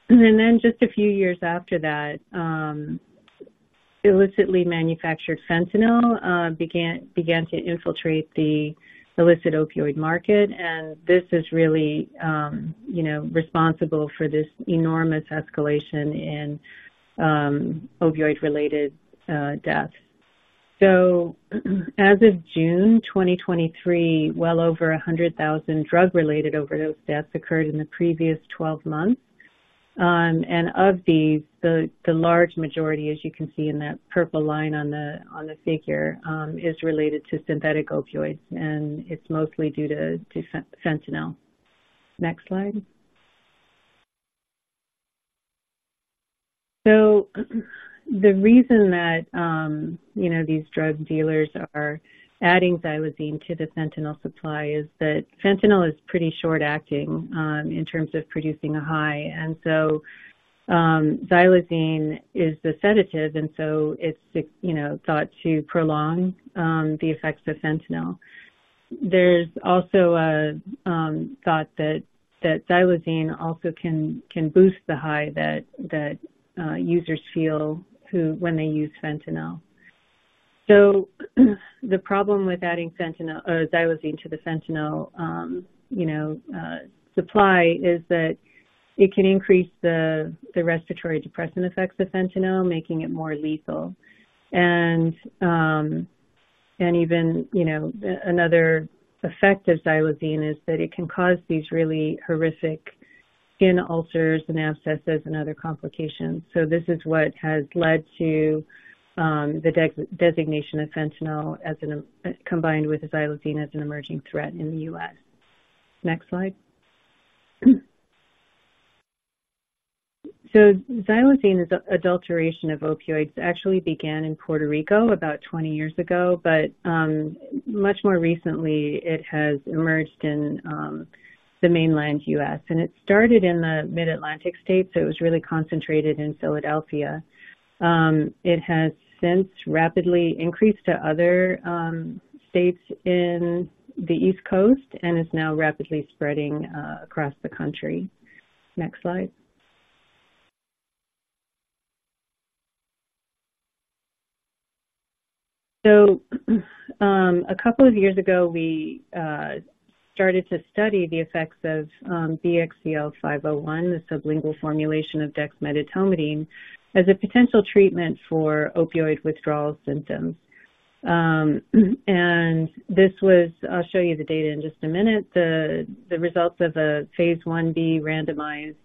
And then just a few years after that, illicitly manufactured fentanyl began to infiltrate the illicit opioid market, and this is really, you know, responsible for this enormous escalation in opioid-related deaths. So as of June 2023, well over 100,000 drug-related overdose deaths occurred in the previous 12 months. And of these, the large majority, as you can see in that purple line on the figure, is related to synthetic opioids, and it's mostly due to fentanyl. Next slide. So the reason that, you know, these drug dealers are adding xylazine to the fentanyl supply is that fentanyl is pretty short-acting, in terms of producing a high. And so, xylazine is a sedative, and so it's, you know, thought to prolong the effects of fentanyl. There's also a thought that xylazine also can boost the high that users feel when they use fentanyl. So the problem with adding fentanyl or xylazine to the fentanyl supply is that it can increase the respiratory depressant effects of fentanyl, making it more lethal. And even, you know, another effect of xylazine is that it can cause these really horrific skin ulcers and abscesses and other complications. So this is what has led to the designation of fentanyl combined with xylazine as an emerging threat in the U.S. Next slide. So xylazine is a adulteration of opioids, actually began in Puerto Rico about 20 years ago. But much more recently, it has emerged in the mainland U.S., and it started in the Mid-Atlantic states, so it was really concentrated in Philadelphia. It has since rapidly increased to other states in the East Coast and is now rapidly spreading across the country. Next slide. A couple of years ago, we started to study the effects of BXCL501, the sublingual formulation of dexmedetomidine, as a potential treatment for opioid withdrawal symptoms. This was... I'll show you the data in just a minute. The results of a phase Ib randomized,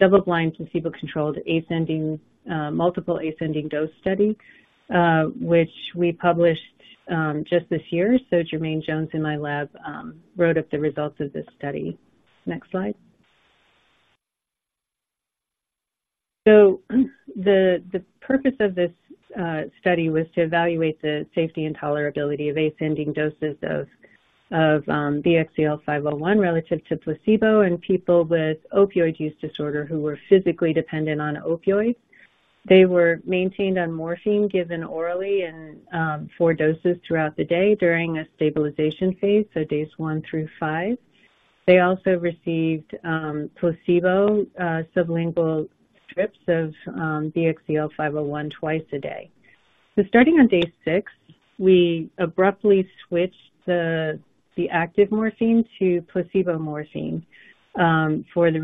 double-blind, placebo-controlled, ascending multiple ascending dose study, which we published just this year. Jermaine Jones in my lab wrote up the results of this study. Next slide. The purpose of this study was to evaluate the safety and tolerability of ascending doses of BXCL501 relative to placebo in people with opioid use disorder who were physically dependent on opioids. They were maintained on morphine, given orally in four doses throughout the day during a stabilization phase, so days one through five. They also received placebo sublingual strips of BXCL501 twice a day. So starting on day 6, we abruptly switched the active morphine to placebo morphine for the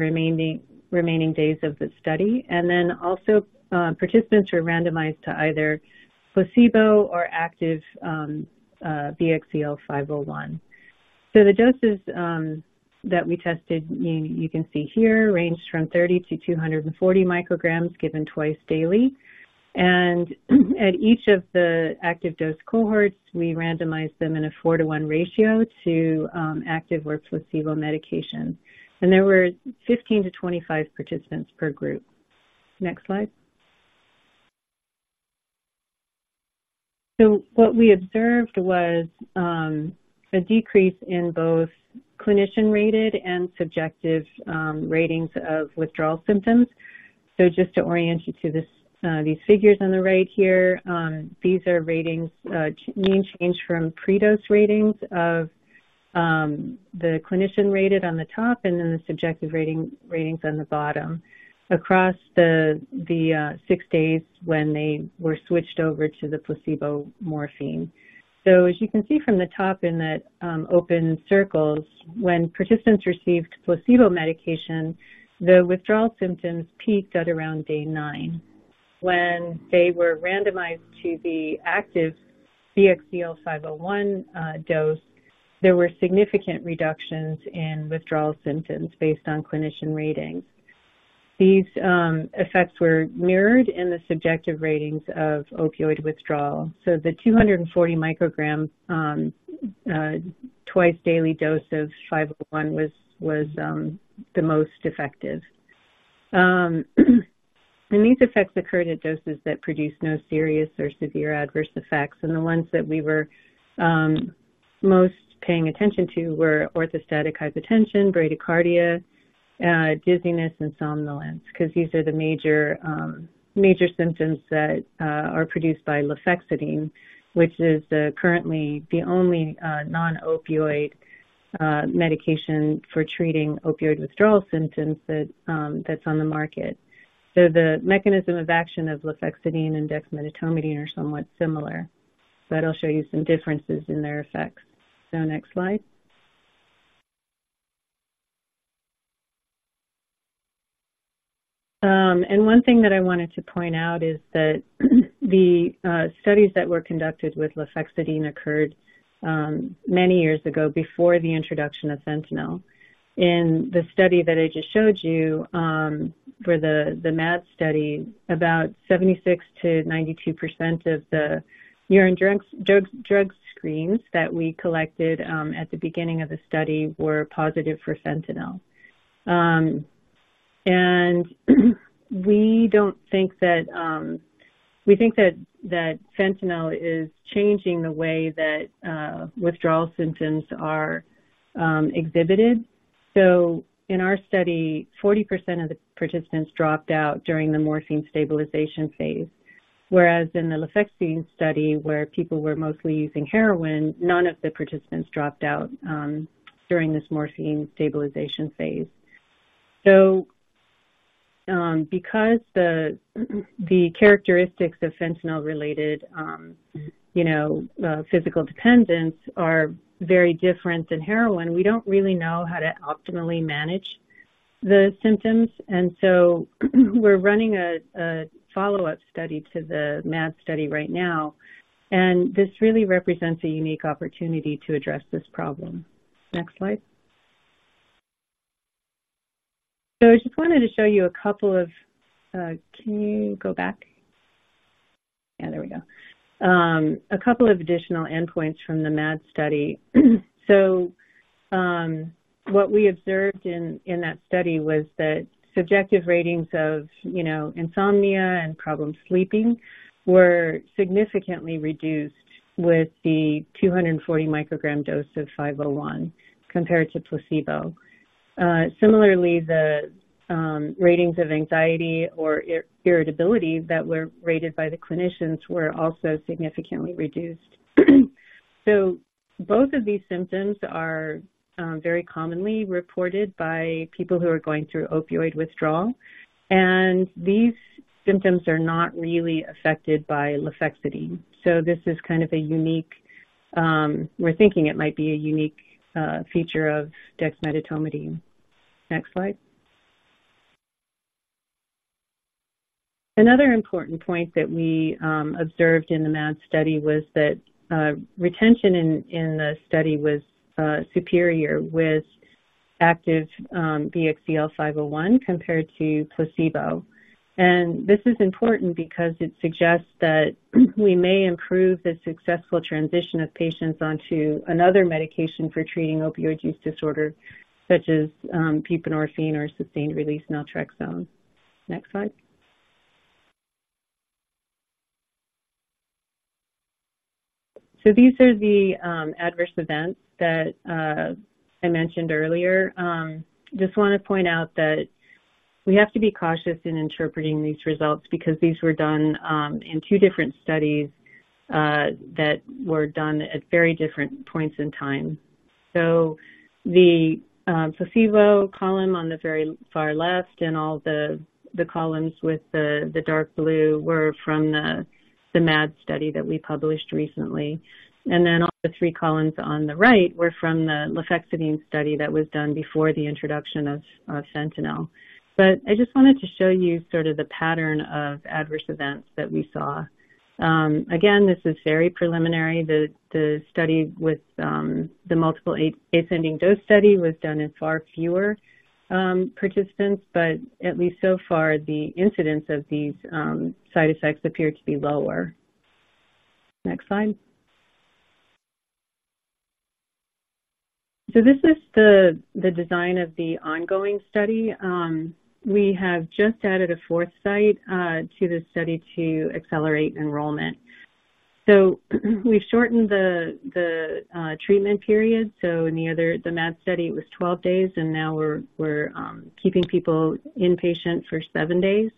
remaining days of the study. And then also, participants were randomized to either placebo or active BXCL501. So the doses that we tested, you can see here, ranged from 30-240 mcg, given twice daily. And at each of the active dose cohorts, we randomized them in a 4/1 ratio to active or placebo medication. And there were 15-25 participants per group. Next slide. So what we observed was a decrease in both clinician-rated and subjective ratings of withdrawal symptoms. So just to orient you to this, these figures on the right here, these are ratings, mean change from pre-dose ratings of, the clinician-rated on the top and then the subjective rating, ratings on the bottom, across the six days when they were switched over to the placebo morphine. So as you can see from the top in that open circles, when participants received placebo medication, the withdrawal symptoms peaked at around day 9. When they were randomized to the active BXCL501 dose, there were significant reductions in withdrawal symptoms based on clinician ratings. These effects were mirrored in the subjective ratings of opioid withdrawal. So the 240 micrograms twice daily dose of 501 was the most effective. And these effects occurred at doses that produced no serious or severe adverse effects, and the ones that we were most paying attention to were orthostatic hypotension, bradycardia, dizziness, and somnolence, 'cause these are the major symptoms that are produced by lofexidine, which is currently the only non-opioid medication for treating opioid withdrawal symptoms that's on the market. So the mechanism of action of lofexidine and dexmedetomidine are somewhat similar, but I'll show you some differences in their effects. Next slide. And one thing that I wanted to point out is that the studies that were conducted with lofexidine occurred many years ago before the introduction of fentanyl. In the study that I just showed you, for the MAD study, about 76%-92% of the urine drug screens that we collected at the beginning of the study were positive for fentanyl. We think that fentanyl is changing the way that withdrawal symptoms are exhibited. So in our study, 40% of the participants dropped out during the morphine stabilization phase, whereas in the lofexidine study, where people were mostly using heroin, none of the participants dropped out during this morphine stabilization phase. So, because the characteristics of fentanyl-related you know physical dependence are very different than heroin, we don't really know how to optimally manage the symptoms. So we're running a follow-up study to the MAD study right now, and this really represents a unique opportunity to address this problem. Next slide. So I just wanted to show you a couple of... Can you go back? Yeah, there we go. A couple of additional endpoints from the MAD study. So what we observed in that study was that subjective ratings of, you know, insomnia and problem sleeping were significantly reduced with the 240-microgram dose of 501 compared to placebo. Similarly, the ratings of anxiety or irritability that were rated by the clinicians were also significantly reduced. So both of these symptoms are very commonly reported by people who are going through opioid withdrawal, and these symptoms are not really affected by lofexidine. So this is kind of a unique-- we're thinking it might be a unique feature of dexmedetomidine. Next slide. Another important point that we observed in the MAD study was that retention in the study was superior with active BXCL501 compared to placebo. And this is important because it suggests that we may improve the successful transition of patients onto another medication for treating opioid use disorder, such as buprenorphine or sustained-release naltrexone. Next slide. So these are the adverse events that I mentioned earlier. Just want to point out that we have to be cautious in interpreting these results because these were done in two different studies that were done at very different points in time. So the placebo column on the very far left and all the columns with the dark blue were from the MAD study that we published recently. Then all the three columns on the right were from the lofexidine study that was done before the introduction of fentanyl. But I just wanted to show you sort of the pattern of adverse events that we saw. Again, this is very preliminary. The study with the multiple ascending dose study was done in far fewer participants, but at least so far, the incidence of these side effects appear to be lower. Next slide. So this is the design of the ongoing study. We have just added a fourth site to the study to accelerate enrollment. So we've shortened the treatment period. So in the other, the MAD study, it was 12 days, and now we're keeping people inpatient for seven days,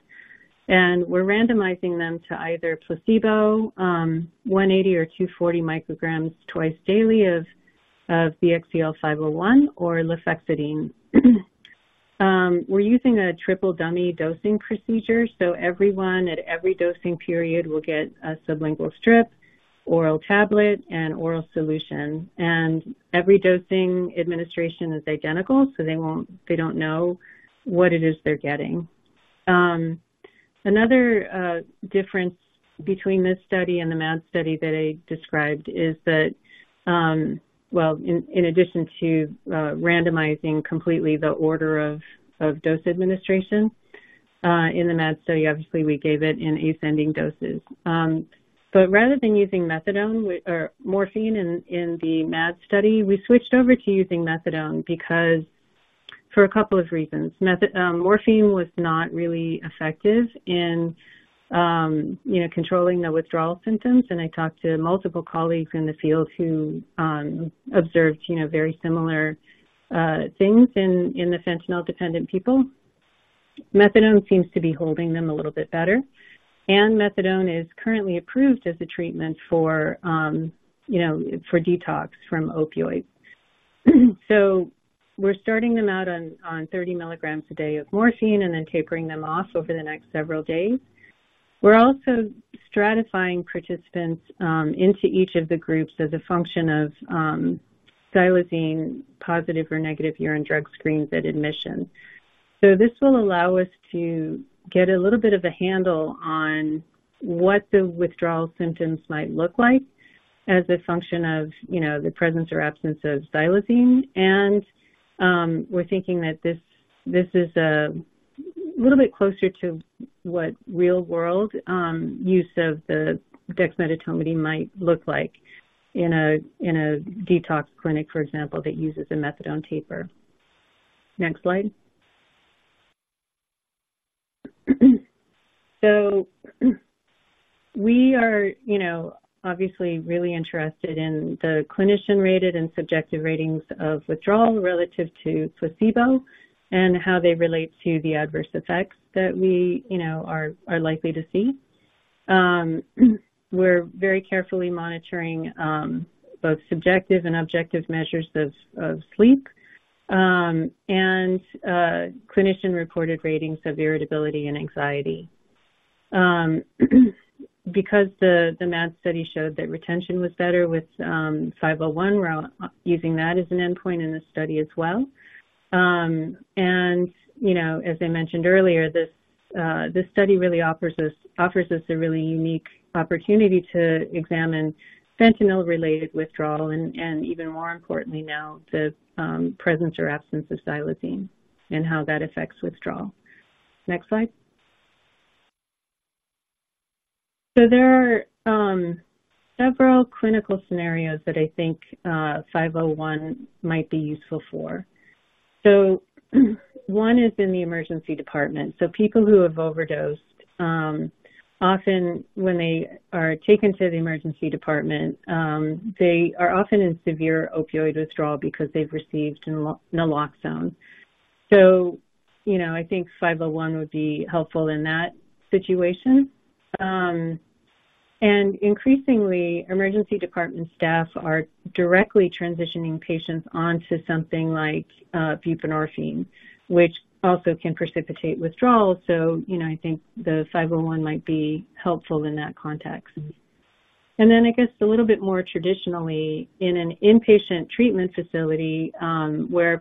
and we're randomizing them to either placebo, 180 or 240 micrograms twice daily of BXCL501 or lofexidine. We're using a triple dummy dosing procedure, so everyone at every dosing period will get a sublingual strip, oral tablet, and oral solution. And every dosing administration is identical, so they won't. They don't know what it is they're getting. Another difference between this study and the MAD study that I described is that, well, in addition to randomizing completely the order of dose administration, in the MAD study, obviously, we gave it in ascending doses. But rather than using methadone, we... morphine in the MAD study, we switched over to using methadone because for a couple of reasons. Methadone—morphine was not really effective in, you know, controlling the withdrawal symptoms, and I talked to multiple colleagues in the field who observed, you know, very similar things in the fentanyl-dependent people. Methadone seems to be holding them a little bit better, and methadone is currently approved as a treatment for, you know, for detox from opioids. So we're starting them out on 30 mg a day of morphine and then tapering them off over the next several days.... We're also stratifying participants into each of the groups as a function of xylazine positive or negative urine drug screens at admission. So this will allow us to get a little bit of a handle on what the withdrawal symptoms might look like as a function of, you know, the presence or absence of xylazine. And, we're thinking that this is a little bit closer to what real-world use of the dexmedetomidine might look like in a detox clinic, for example, that uses a methadone taper. Next slide. So we are, you know, obviously really interested in the clinician-rated and subjective ratings of withdrawal relative to placebo and how they relate to the adverse effects that we, you know, are likely to see. We're very carefully monitoring both subjective and objective measures of sleep and clinician-reported ratings of irritability and anxiety. Because the MAD study showed that retention was better with 501, we're using that as an endpoint in this study as well. And, you know, as I mentioned earlier, this study really offers us a really unique opportunity to examine fentanyl-related withdrawal and even more importantly now, the presence or absence of xylazine and how that affects withdrawal. Next slide. So there are several clinical scenarios that I think 501 might be useful for. So one is in the emergency department. So people who have overdosed often when they are taken to the emergency department, they are often in severe opioid withdrawal because they've received naloxone. So, you know, I think 501 would be helpful in that situation. And increasingly, emergency department staff are directly transitioning patients onto something like buprenorphine, which also can precipitate withdrawal. So, you know, I think the 501 might be helpful in that context. And then I guess a little bit more traditionally, in an inpatient treatment facility, where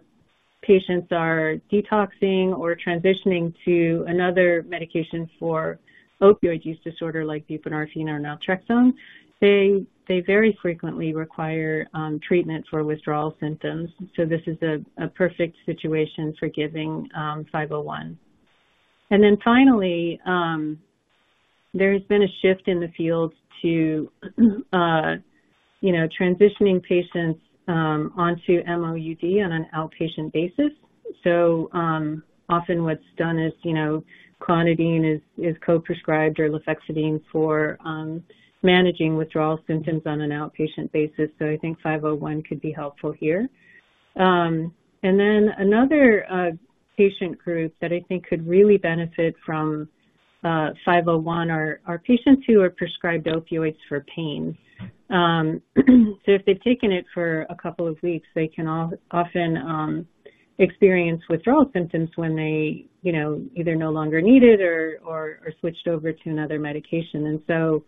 patients are detoxing or transitioning to another medication for opioid use disorder like buprenorphine or naltrexone, they very frequently require treatment for withdrawal symptoms. So this is a perfect situation for giving 501. And then finally, there's been a shift in the field to, you know, transitioning patients onto MOUD on an outpatient basis. So, often what's done is, you know, clonidine is co-prescribed or lofexidine for managing withdrawal symptoms on an outpatient basis. So I think 501 could be helpful here. And then another patient group that I think could really benefit from 501 are patients who are prescribed opioids for pain. So if they've taken it for a couple of weeks, they can often experience withdrawal symptoms when they, you know, either no longer need it or switched over to another medication. And so,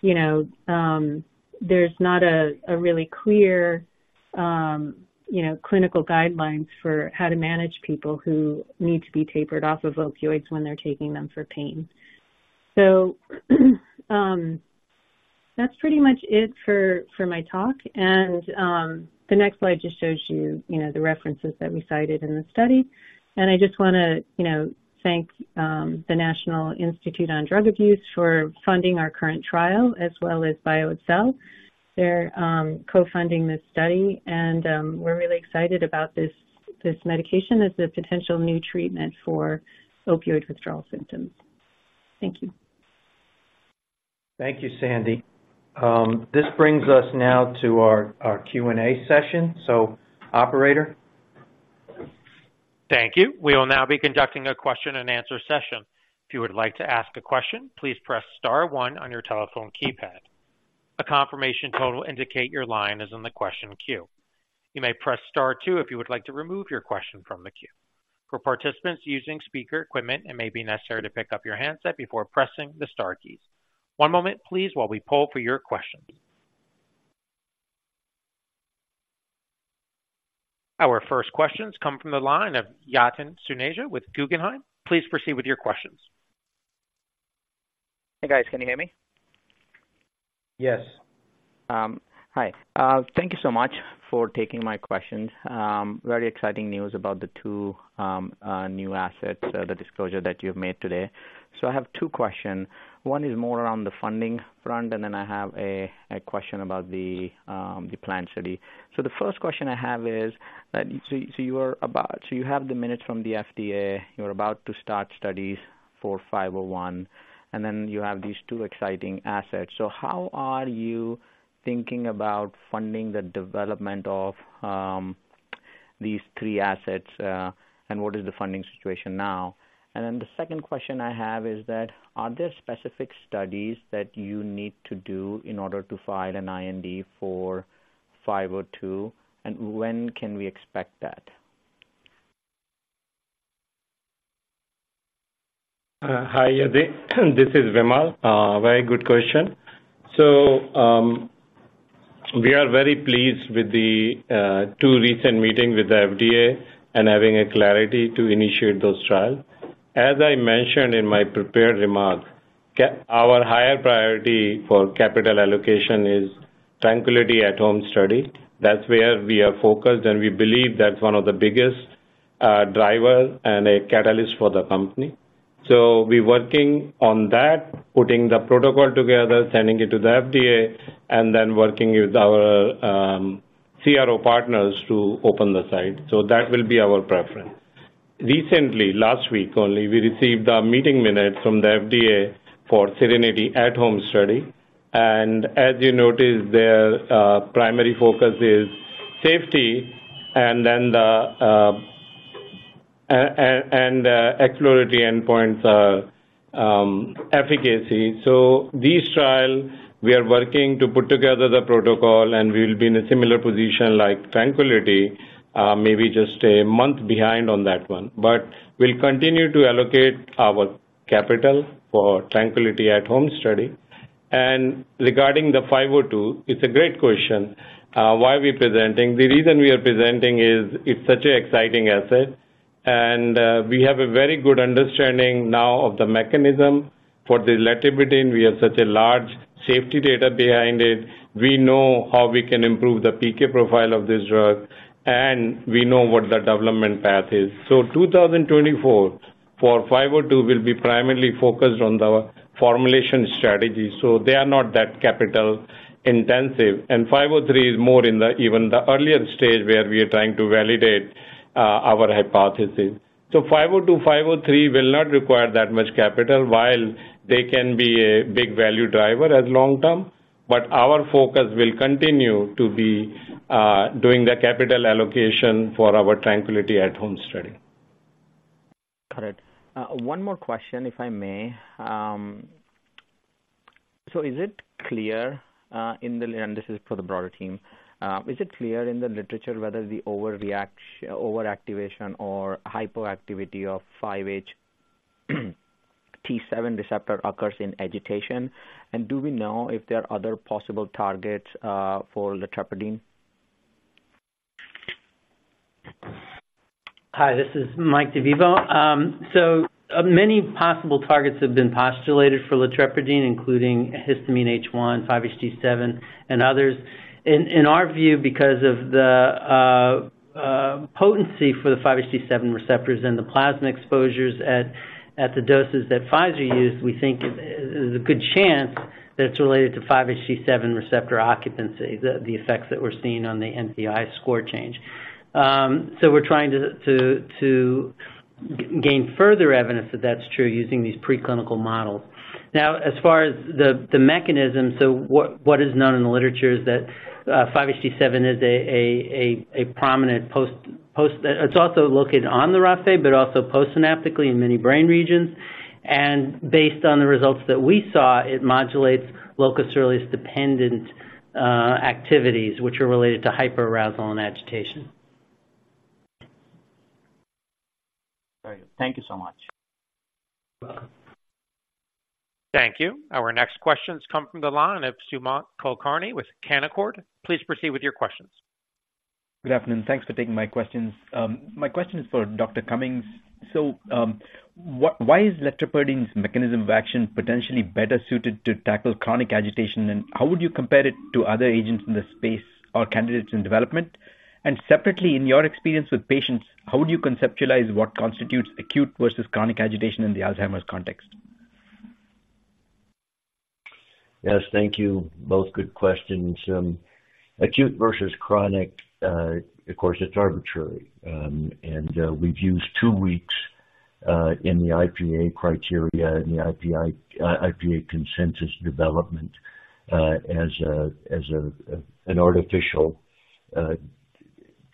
you know, there's not a really clear, you know, clinical guidelines for how to manage people who need to be tapered off of opioids when they're taking them for pain. So, that's pretty much it for my talk. And the next slide just shows you, you know, the references that we cited in the study. And I just want to, you know, thank the National Institute on Drug Abuse for funding our current trial as well as BioXcel. They're co-funding this study, and we're really excited about this, this medication as a potential new treatment for opioid withdrawal symptoms. Thank you. Thank you, Sandy. This brings us now to our Q&A session. So operator? Thank you. We will now be conducting a question and answer session. If you would like to ask a question, please press star one on your telephone keypad. A confirmation tone will indicate your line is in the question queue. You may press star two if you would like to remove your question from the queue. For participants using speaker equipment, it may be necessary to pick up your handset before pressing the star keys. One moment please, while we poll for your questions. Our first questions come from the line of Yatin Suneja with Guggenheim. Please proceed with your questions. Hey, guys, can you hear me? Yes. Hi. Thank you so much for taking my questions. Very exciting news about the two new assets, the disclosure that you've made today. So I have two questions. One is more around the funding front, and then I have a question about the plan study. So the first question I have is, so you have the minutes from the FDA. You're about to start studies for 501, and then you have these two exciting assets. So how are you thinking about funding the development of these three assets, and what is the funding situation now? And then the second question I have is, are there specific studies that you need to do in order to file an IND for 502, and when can we expect that? Hi, this is Vimal. Very good question. So, we are very pleased with the two recent meeting with the FDA and having a clarity to initiate those trials. As I mentioned in my prepared remarks, our higher priority for capital allocation is TRANQUILITY At-Home study. That's where we are focused, and we believe that's one of the biggest drivers and a catalyst for the company. So we're working on that, putting the protocol together, sending it to the FDA, and then working with our CRO partners to open the site. So that will be our preference. Recently, last week only, we received a meeting minute from the FDA for SERENITY At-Home study, and as you noticed, their primary focus is safety and then the exploratory endpoints are efficacy. So these trial, we are working to put together the protocol, and we will be in a similar position like TRANQUILITY, maybe just a month behind on that one. But we'll continue to allocate our capital for TRANQUILITY At-Home study. And regarding the 502, it's a great question. Why are we presenting? The reason we are presenting is it's such an exciting asset, and we have a very good understanding now of the mechanism for the latrepirdine. We have such a large safety data behind it. We know how we can improve the PK profile of this drug, and we know what the development path is. So 2024, for 502, will be primarily focused on the formulation strategy, so they are not that capital intensive. 503 is more in the even earlier stage, where we are trying to validate our hypothesis. So 502, 503 will not require that much capital, while they can be a big value driver as long term, but our focus will continue to be doing the capital allocation for our TRANQUILITY At-Home study. Got it. One more question, if I may. So is it clear in the... and this is for the broader team. Is it clear in the literature whether the overactivation or hypoactivity of 5-HT7 receptor occurs in agitation? And do we know if there are other possible targets for latrepirdine? Hi, this is Mike De Vivo. So many possible targets have been postulated for latrepirdine, including histamine H1, 5-HT7, and others. In our view, because of the potency for the 5-HT7 receptors and the plasma exposures at the doses that Pfizer used, we think there's a good chance that it's related to 5-HT7 receptor occupancy, the effects that we're seeing on the NPI score change. So we're trying to gain further evidence that that's true using these preclinical models. Now, as far as the mechanism, what is known in the literature is that 5-HT7 is a prominent post... It's also located on the raphe, but also postsynaptically in many brain regions. Based on the results that we saw, it modulates locus coeruleus-dependent activities, which are related to hyperarousal and agitation. Very good. Thank you so much. Welcome. Thank you. Our next questions come from the line of Sumant Kulkarni with Canaccord. Please proceed with your questions. Good afternoon. Thanks for taking my questions. My question is for Dr. Cummings. So, why is latrepirdine's mechanism of action potentially better suited to tackle chronic agitation, and how would you compare it to other agents in this space or candidates in development? And separately, in your experience with patients, how would you conceptualize what constitutes acute versus chronic agitation in the Alzheimer's context? Yes, thank you. Both good questions. Acute versus chronic, of course, it's arbitrary. And, we've used two weeks, in the IPA criteria in the IPA consensus development, as a, as a, an artificial,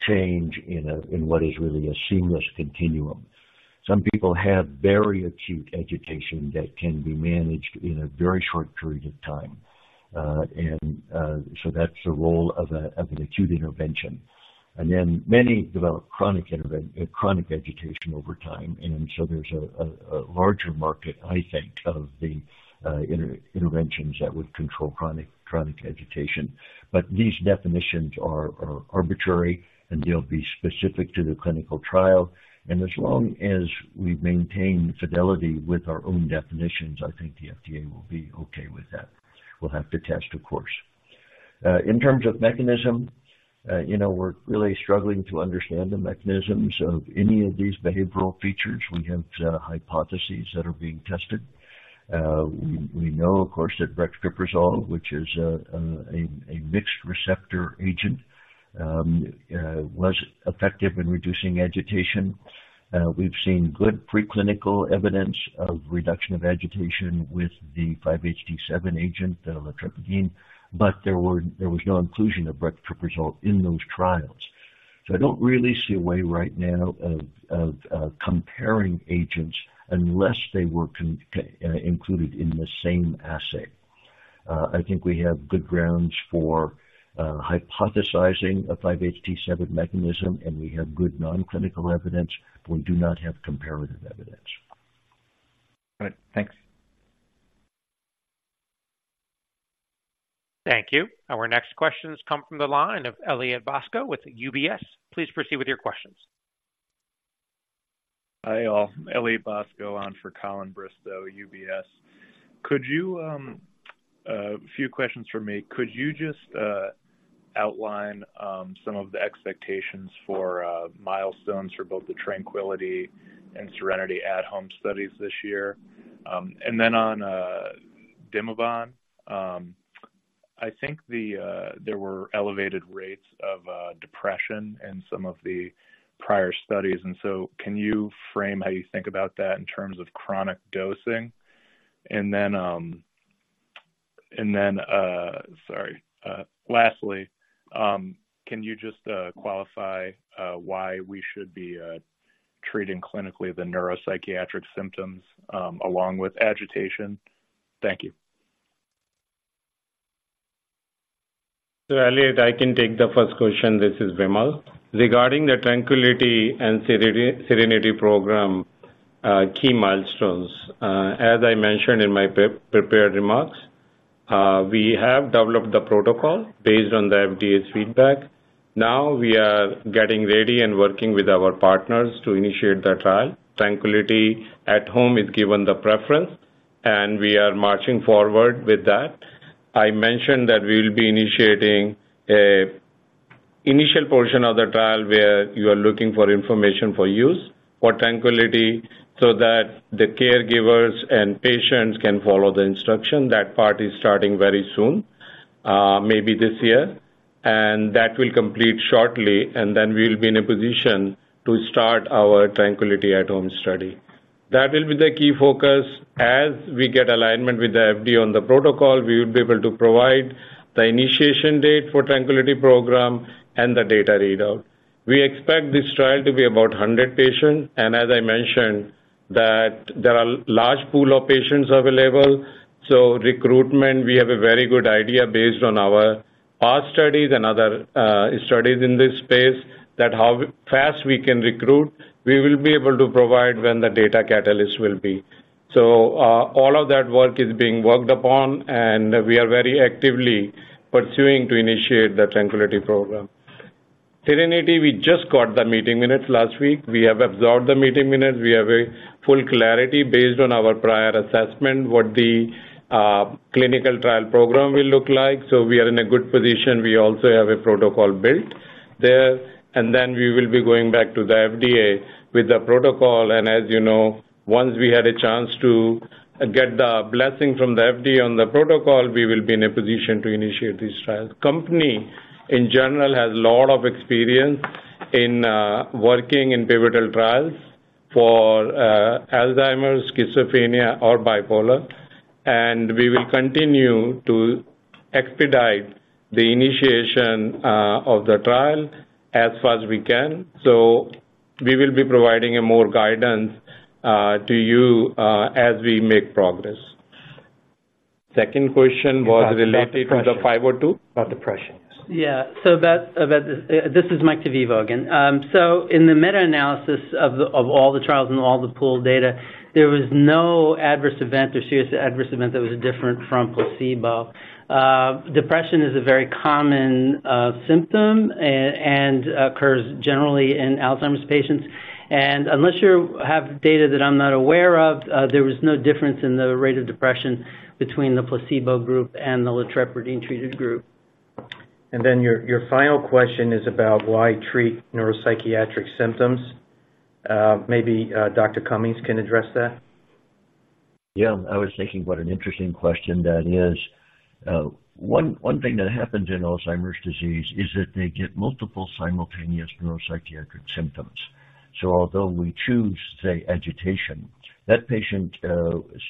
change in a, in what is really a seamless continuum. Some people have very acute agitation that can be managed in a very short period of time. And, so that's the role of a, of an acute intervention. And then many develop chronic agitation over time, and so there's a, a, a larger market, I think, of the, interventions that would control chronic agitation. But these definitions are arbitrary, and they'll be specific to the clinical trial. And as long as we maintain fidelity with our own definitions, I think the FDA will be okay with that. We'll have to test, of course. In terms of mechanism, you know, we're really struggling to understand the mechanisms of any of these behavioral features. We have hypotheses that are being tested. We know, of course, that brexpiprazole, which is a mixed receptor agent, was effective in reducing agitation. We've seen good preclinical evidence of reduction of agitation with the 5-HT7 agent, the latrepirdine, but there was no inclusion of brexpiprazole in those trials. So I don't really see a way right now of comparing agents unless they were included in the same assay. I think we have good grounds for hypothesizing a 5-HT7 mechanism, and we have good non-clinical evidence. We do not have comparative evidence. All right. Thanks. Thank you. Our next questions come from the line of Elliott Bosco with UBS. Please proceed with your questions. Hi, all. Elliott Bosco on for Colin Bristow, UBS. Could you just outline some of the expectations for milestones for both the TRANQUILITY and SERENITY At-Home studies this year? And then on Dimebon, I think there were elevated rates of depression in some of the prior studies. And so can you frame how you think about that in terms of chronic dosing? And then, sorry, lastly, can you just qualify why we should be treating clinically the neuropsychiatric symptoms along with agitation? Thank you. So Elliot, I can take the first question. This is Vimal. Regarding the TRANQUILITY and SERENITY, SERENITY program, key milestones, as I mentioned in my pre-prepared remarks, we have developed the protocol based on the FDA's feedback. Now we are getting ready and working with our partners to initiate the trial. TRANQUILITY At-Home is given the preference, and we are marching forward with that. I mentioned that we will be initiating a initial portion of the trial where you are looking for information for use for TRANQUILITY, so that the caregivers and patients can follow the instruction. That part is starting very soon, maybe this year, and that will complete shortly, and then we will be in a position to start our TRANQUILITY At-Home study. That will be the key focus. As we get alignment with the FDA on the protocol, we will be able to provide the initiation date for TRANQUILITY program and the data readout. We expect this trial to be about 100 patients, and as I mentioned, that there are large pool of patients available, so recruitment, we have a very good idea based on our past studies and other, studies in this space, that how fast we can recruit. We will be able to provide when the data catalyst will be. So, all of that work is being worked upon, and we are very actively pursuing to initiate the TRANQUILITY program. SERENITY, we just got the meeting minutes last week. We have absorbed the meeting minutes. We have a full clarity based on our prior assessment, what the, clinical trial program will look like. So we are in a good position. We also have a protocol built there, and then we will be going back to the FDA with the protocol, and as you know, once we had a chance to get the blessing from the FDA on the protocol, we will be in a position to initiate this trial. Company, in general, has a lot of experience in working in pivotal trials for Alzheimer's, schizophrenia, or bipolar, and we will continue to expedite the initiation of the trial as fast as we can. So we will be providing a more guidance to you as we make progress. Second question was related to the 502? About depression. Yeah. So that's. This is Mike De Vivo again. So in the meta-analysis of all the trials and all the pooled data, there was no adverse event or serious adverse event that was different from placebo. Depression is a very common symptom and occurs generally in Alzheimer's patients. And unless you have data that I'm not aware of, there was no difference in the rate of depression between the placebo group and the latrepirdine treated group. And then your final question is about why treat neuropsychiatric symptoms. Maybe Dr. Cummings can address that. Yeah, I was thinking what an interesting question that is. One thing that happens in Alzheimer's disease is that they get multiple simultaneous neuropsychiatric symptoms. So although we choose, say, agitation, that patient,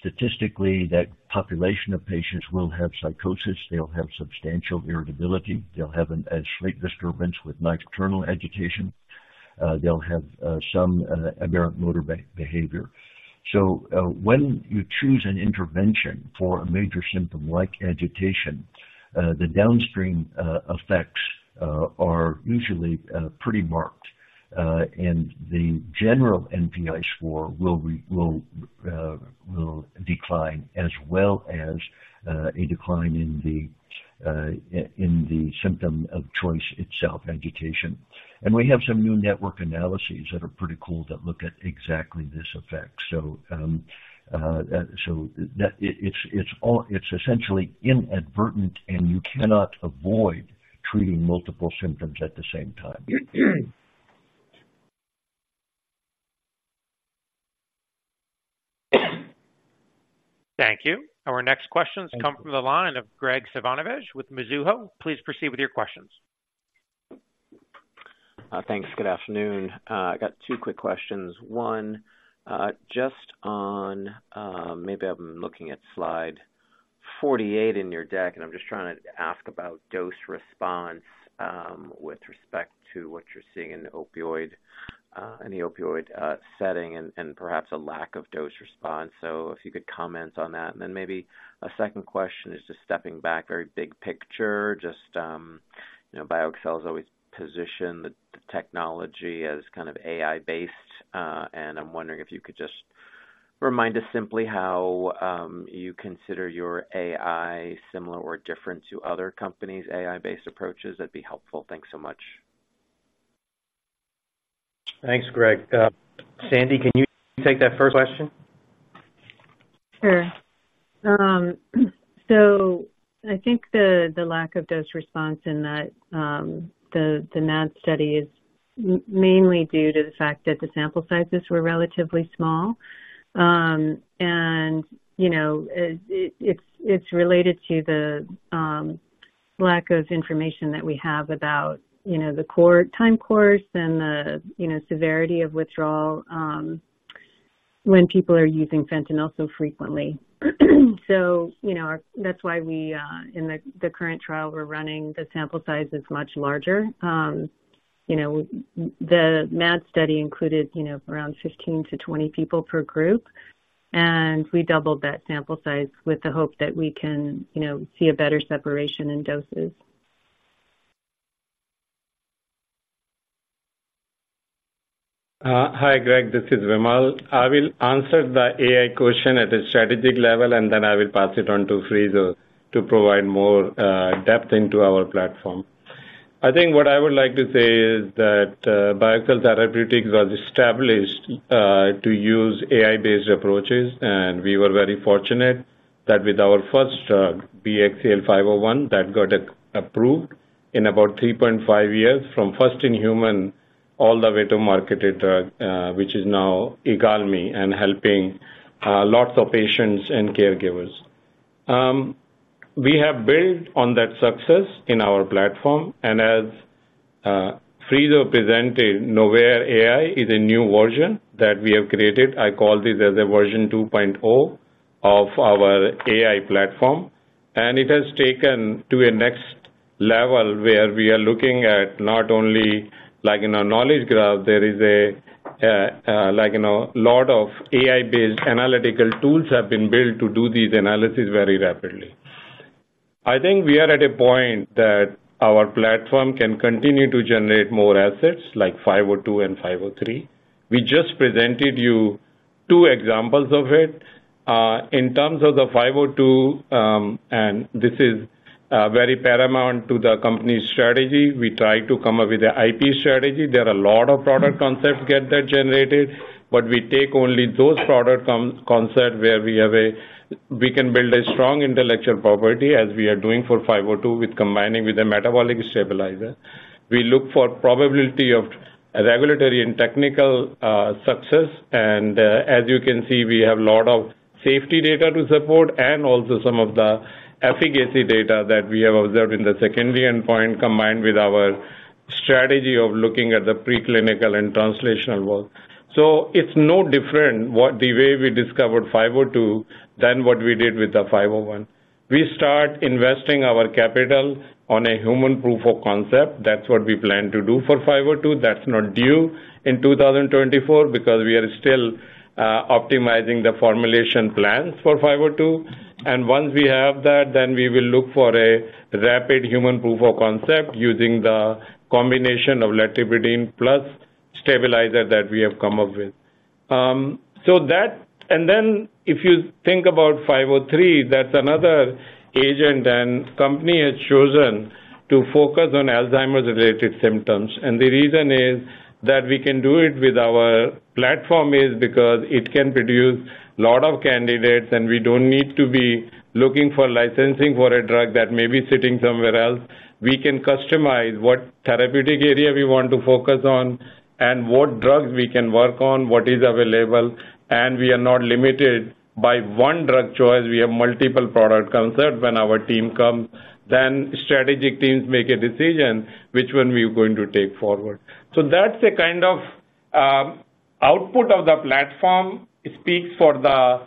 statistically, that population of patients will have psychosis, they'll have substantial irritability, they'll have a sleep disturbance with nocturnal agitation, they'll have some motor behavior. So, when you choose an intervention for a major symptom like agitation, the downstream effects are usually pretty marked, and the general NPI score will decline, as well as a decline in the symptom of choice itself, agitation. And we have some new network analyses that are pretty cool, that look at exactly this effect. So that it's all, it's essentially inadvertent, and you cannot avoid treating multiple symptoms at the same time. Thank you. Our next questions come from the line of Graig Suvannavejh with Mizuho. Please proceed with your questions. Thanks. Good afternoon. I got two quick questions. One, just on, maybe I'm looking at slide 48 in your deck, and I'm just trying to ask about dose response, with respect to what you're seeing in the opioid setting and perhaps a lack of dose response. So if you could comment on that. And then maybe a second question is just stepping back, very big picture, just, you know, BioXcel has always positioned the technology as kind of AI-based. And I'm wondering if you could just remind us simply how you consider your AI similar or different to other companies' AI-based approaches? That'd be helpful. Thanks so much. Thanks, Graig. Sandy, can you take that first question? Sure. So I think the lack of dose response in that MAD study is mainly due to the fact that the sample sizes were relatively small. You know, it's related to the lack of information that we have about, you know, the time course and the, you know, severity of withdrawal when people are using fentanyl so frequently. So, you know, that's why in the current trial we're running, the sample size is much larger. You know, the MAD study included, you know, around 15-20 people per group, and we doubled that sample size with the hope that we can, you know, see a better separation in doses. Hi, Graig, this is Vimal. I will answer the AI question at a strategic level, and then I will pass it on to Friso to provide more depth into our platform. I think what I would like to say is that BioXcel Therapeutics was established to use AI-based approaches, and we were very fortunate that with our first BXCL501, that got approved in about 3.5 years from first in human, all the way to market data, which is now IGALMI and helping lots of patients and caregivers. We have built on that success in our platform, and as Friso presented, NovareAI is a new version that we have created. I call this as a version 2.0 of our AI platform, and it has taken to a next level where we are looking at not only like in a knowledge graph, there is a, like, you know, a lot of AI-based analytical tools have been built to do these analyses very rapidly. I think we are at a point that our platform can continue to generate more assets like 502 and 503. We just presented you two examples of it. In terms of the 502, and this is very paramount to the company's strategy, we try to come up with an IP strategy. There are a lot of product concepts get that generated, but we take only those product concept where we have a... We can build a strong intellectual property, as we are doing for 502, with combining with a metabolic stabilizer. We look for probability of regulatory and technical success. And, as you can see, we have a lot of safety data to support and also some of the efficacy data that we have observed in the secondary endpoint, combined with our strategy of looking at the preclinical and translational work. So it's no different, the way we discovered 502 than what we did with the 501. We start investing our capital on a human proof of concept. That's what we plan to do for 502. That's not due in 2024 because we are still optimizing the formulation plans for 502. Once we have that, then we will look for a rapid human proof of concept using the combination of nalbuphine plus stabilizer that we have come up with. So that, and then if you think about 503, that's another agent and company has chosen to focus on Alzheimer's-related symptoms. The reason is, that we can do it with our platform is because it can produce a lot of candidates, and we don't need to be looking for licensing for a drug that may be sitting somewhere else. We can customize what therapeutic area we want to focus on and what drugs we can work on, what is available, and we are not limited by one drug choice. We have multiple product concepts when our team comes, then strategic teams make a decision, which one we are going to take forward. So that's the kind of output of the platform. It speaks for the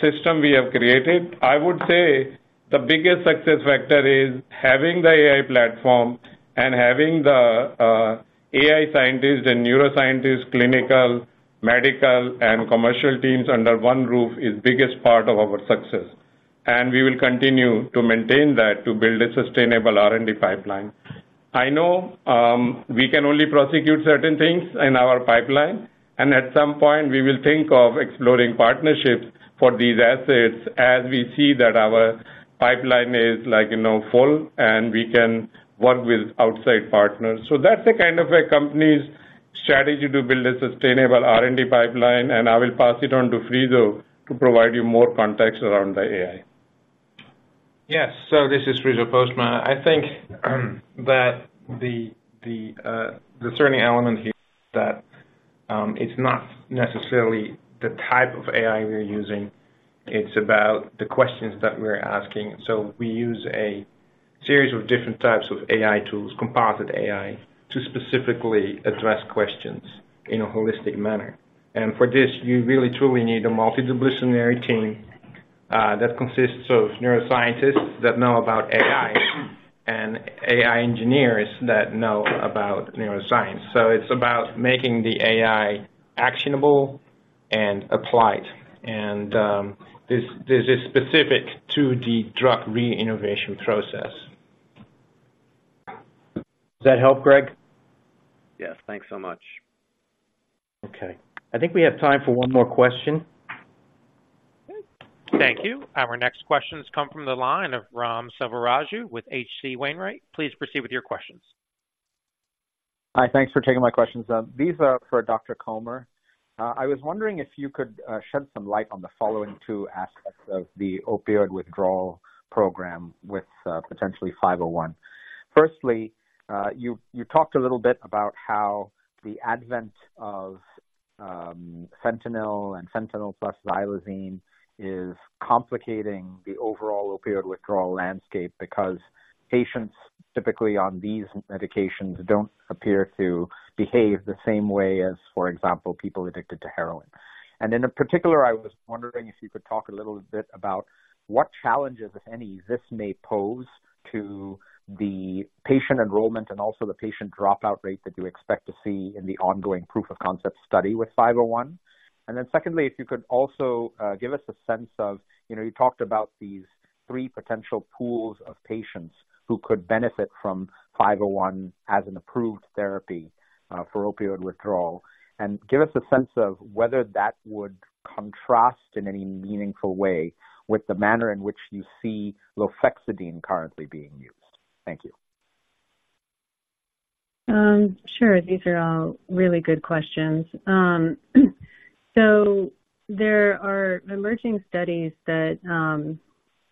system we have created. I would say the biggest success factor is having the AI platform and having the AI scientists and neuroscientists, clinical, medical, and commercial teams under one roof is biggest part of our success. And we will continue to maintain that to build a sustainable R&D pipeline. I know, we can only prosecute certain things in our pipeline, and at some point we will think of exploring partnerships for these assets as we see that our pipeline is like, you know, full, and we can work with outside partners. So that's the kind of a company's strategy to build a sustainable R&D pipeline, and I will pass it on to Friso to provide you more context around the AI. Yes. So this is Friso Postma. I think that the turning element here that it's not necessarily the type of AI we're using, it's about the questions that we're asking. So we use a series of different types of AI tools, composite AI, to specifically address questions in a holistic manner. And for this, you really truly need a multidisciplinary team that consists of neuroscientists that know about AI-... and AI engineers that know about neuroscience. So it's about making the AI actionable and applied. And, this is specific to the drug re-innovation process. Does that help, Graig? Yes. Thanks so much. Okay. I think we have time for one more question. Thank you. Our next questions come from the line of Ram Selvaraju with H.C. Wainwright. Please proceed with your questions. Hi, thanks for taking my questions. These are for Dr. Comer. I was wondering if you could shed some light on the following two aspects of the opioid withdrawal program with potentially 501. Firstly, you talked a little bit about how the advent of fentanyl and fentanyl plus xylazine is complicating the overall opioid withdrawal landscape because patients typically on these medications don't appear to behave the same way as, for example, people addicted to heroin. And in particular, I was wondering if you could talk a little bit about what challenges, if any, this may pose to the patient enrollment and also the patient dropout rate that you expect to see in the ongoing proof of concept study with 501. Then secondly, if you could also give us a sense of, you know, you talked about these three potential pools of patients who could benefit from 501 as an approved therapy for opioid withdrawal. And give us a sense of whether that would contrast in any meaningful way with the manner in which you see lofexidine currently being used. Thank you. Sure. These are all really good questions. So there are emerging studies that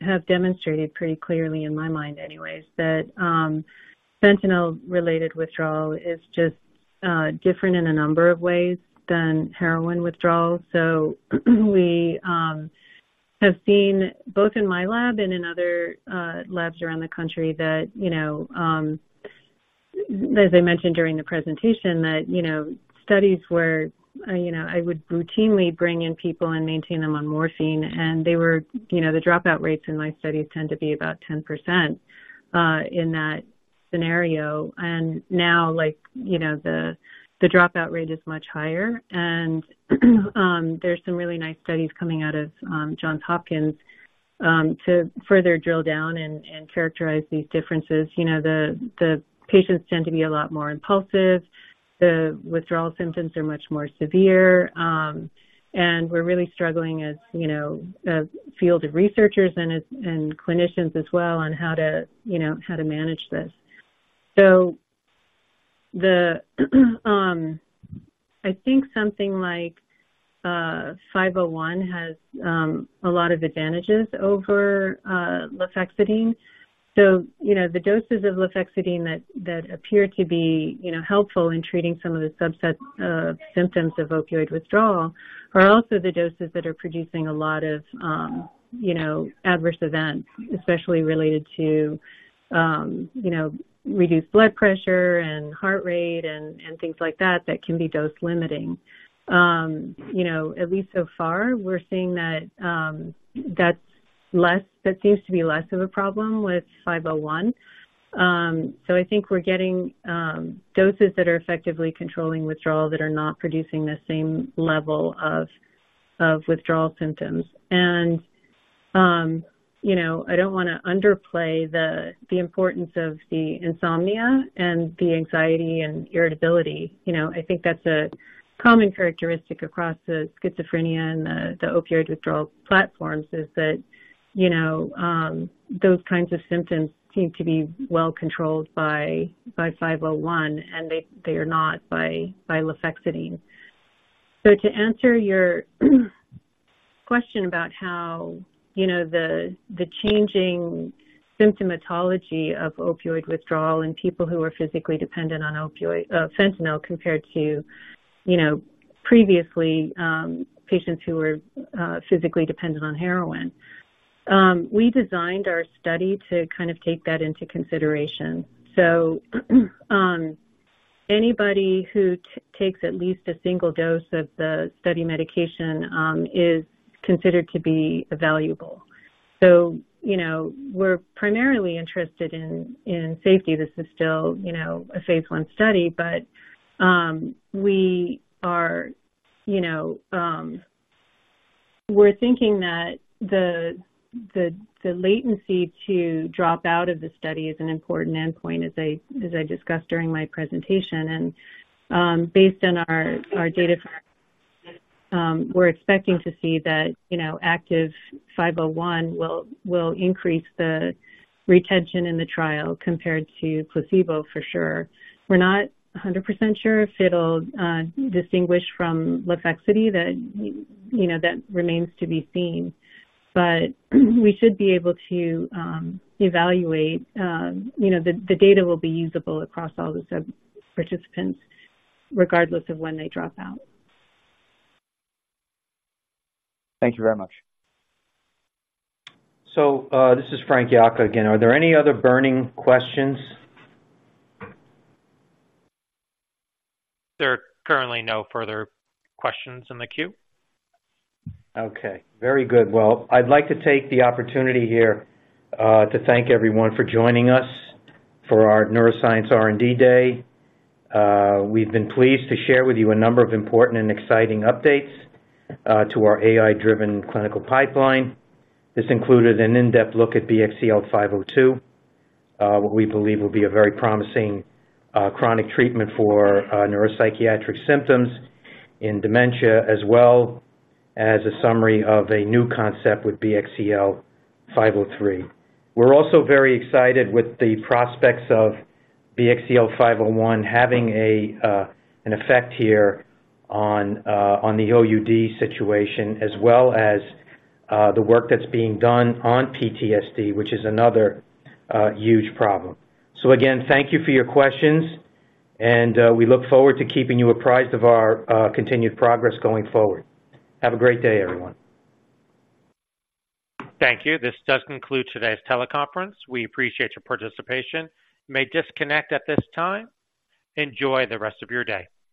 have demonstrated pretty clearly, in my mind anyways, that fentanyl-related withdrawal is just different in a number of ways than heroin withdrawal. So we have seen both in my lab and in other labs around the country that, you know, as I mentioned during the presentation, that, you know, studies where, you know, I would routinely bring in people and maintain them on morphine, and they were... You know, the dropout rates in my studies tend to be about 10%, in that scenario. And now, like, you know, the dropout rate is much higher. And there's some really nice studies coming out of Johns Hopkins to further drill down and characterize these differences. You know, the patients tend to be a lot more impulsive, the withdrawal symptoms are much more severe, and we're really struggling as, you know, a field of researchers and clinicians as well on how to, you know, how to manage this. So I think something like 501 has a lot of advantages over lofexidine. So, you know, the doses of lofexidine that appear to be, you know, helpful in treating some of the subset symptoms of opioid withdrawal, are also the doses that are producing a lot of, you know, adverse events, especially related to, you know, reduced blood pressure and heart rate and things like that, that can be dose-limiting. You know, at least so far, we're seeing that, that's less, that seems to be less of a problem with 501. So I think we're getting doses that are effectively controlling withdrawal that are not producing the same level of withdrawal symptoms. And you know, I don't want to underplay the importance of the insomnia and the anxiety and irritability. You know, I think that's a common characteristic across the schizophrenia and the opioid withdrawal platforms, is that, you know, those kinds of symptoms seem to be well controlled by 501, and they are not by lofexidine. To answer your question about how, you know, the changing symptomatology of opioid withdrawal in people who are physically dependent on opioid fentanyl, compared to, you know, previously, patients who were physically dependent on heroin. We designed our study to kind of take that into consideration. Anybody who takes at least a single dose of the study medication is considered to be valuable. You know, we're primarily interested in safety. This is still, you know, a phase I study, but we are, you know, we're thinking that the latency to drop out of the study is an important endpoint, as I discussed during my presentation. Based on our data, we're expecting to see that, you know, active 501 will increase the retention in the trial compared to placebo for sure. We're not 100% sure if it'll distinguish from lofexidine. That, you know, that remains to be seen. But we should be able to evaluate... You know, the data will be usable across all the sub-participants, regardless of when they drop out. Thank you very much. So, this is Frank Yocca again. Are there any other burning questions? There are currently no further questions in the queue. Okay, very good. Well, I'd like to take the opportunity here to thank everyone for joining us for our Neuroscience R&D Day. We've been pleased to share with you a number of important and exciting updates to our AI-driven clinical pipeline. This included an in-depth look at BXCL502, what we believe will be a very promising chronic treatment for neuropsychiatric symptoms in dementia, as well as a summary of a new concept with BXCL503. We're also very excited with the prospects of BXCL501, having an effect here on the OUD situation, as well as the work that's being done on PTSD, which is another huge problem. So again, thank you for your questions, and we look forward to keeping you apprised of our continued progress going forward. Have a great day, everyone. Thank you. This does conclude today's teleconference. We appreciate your participation. You may disconnect at this time. Enjoy the rest of your day.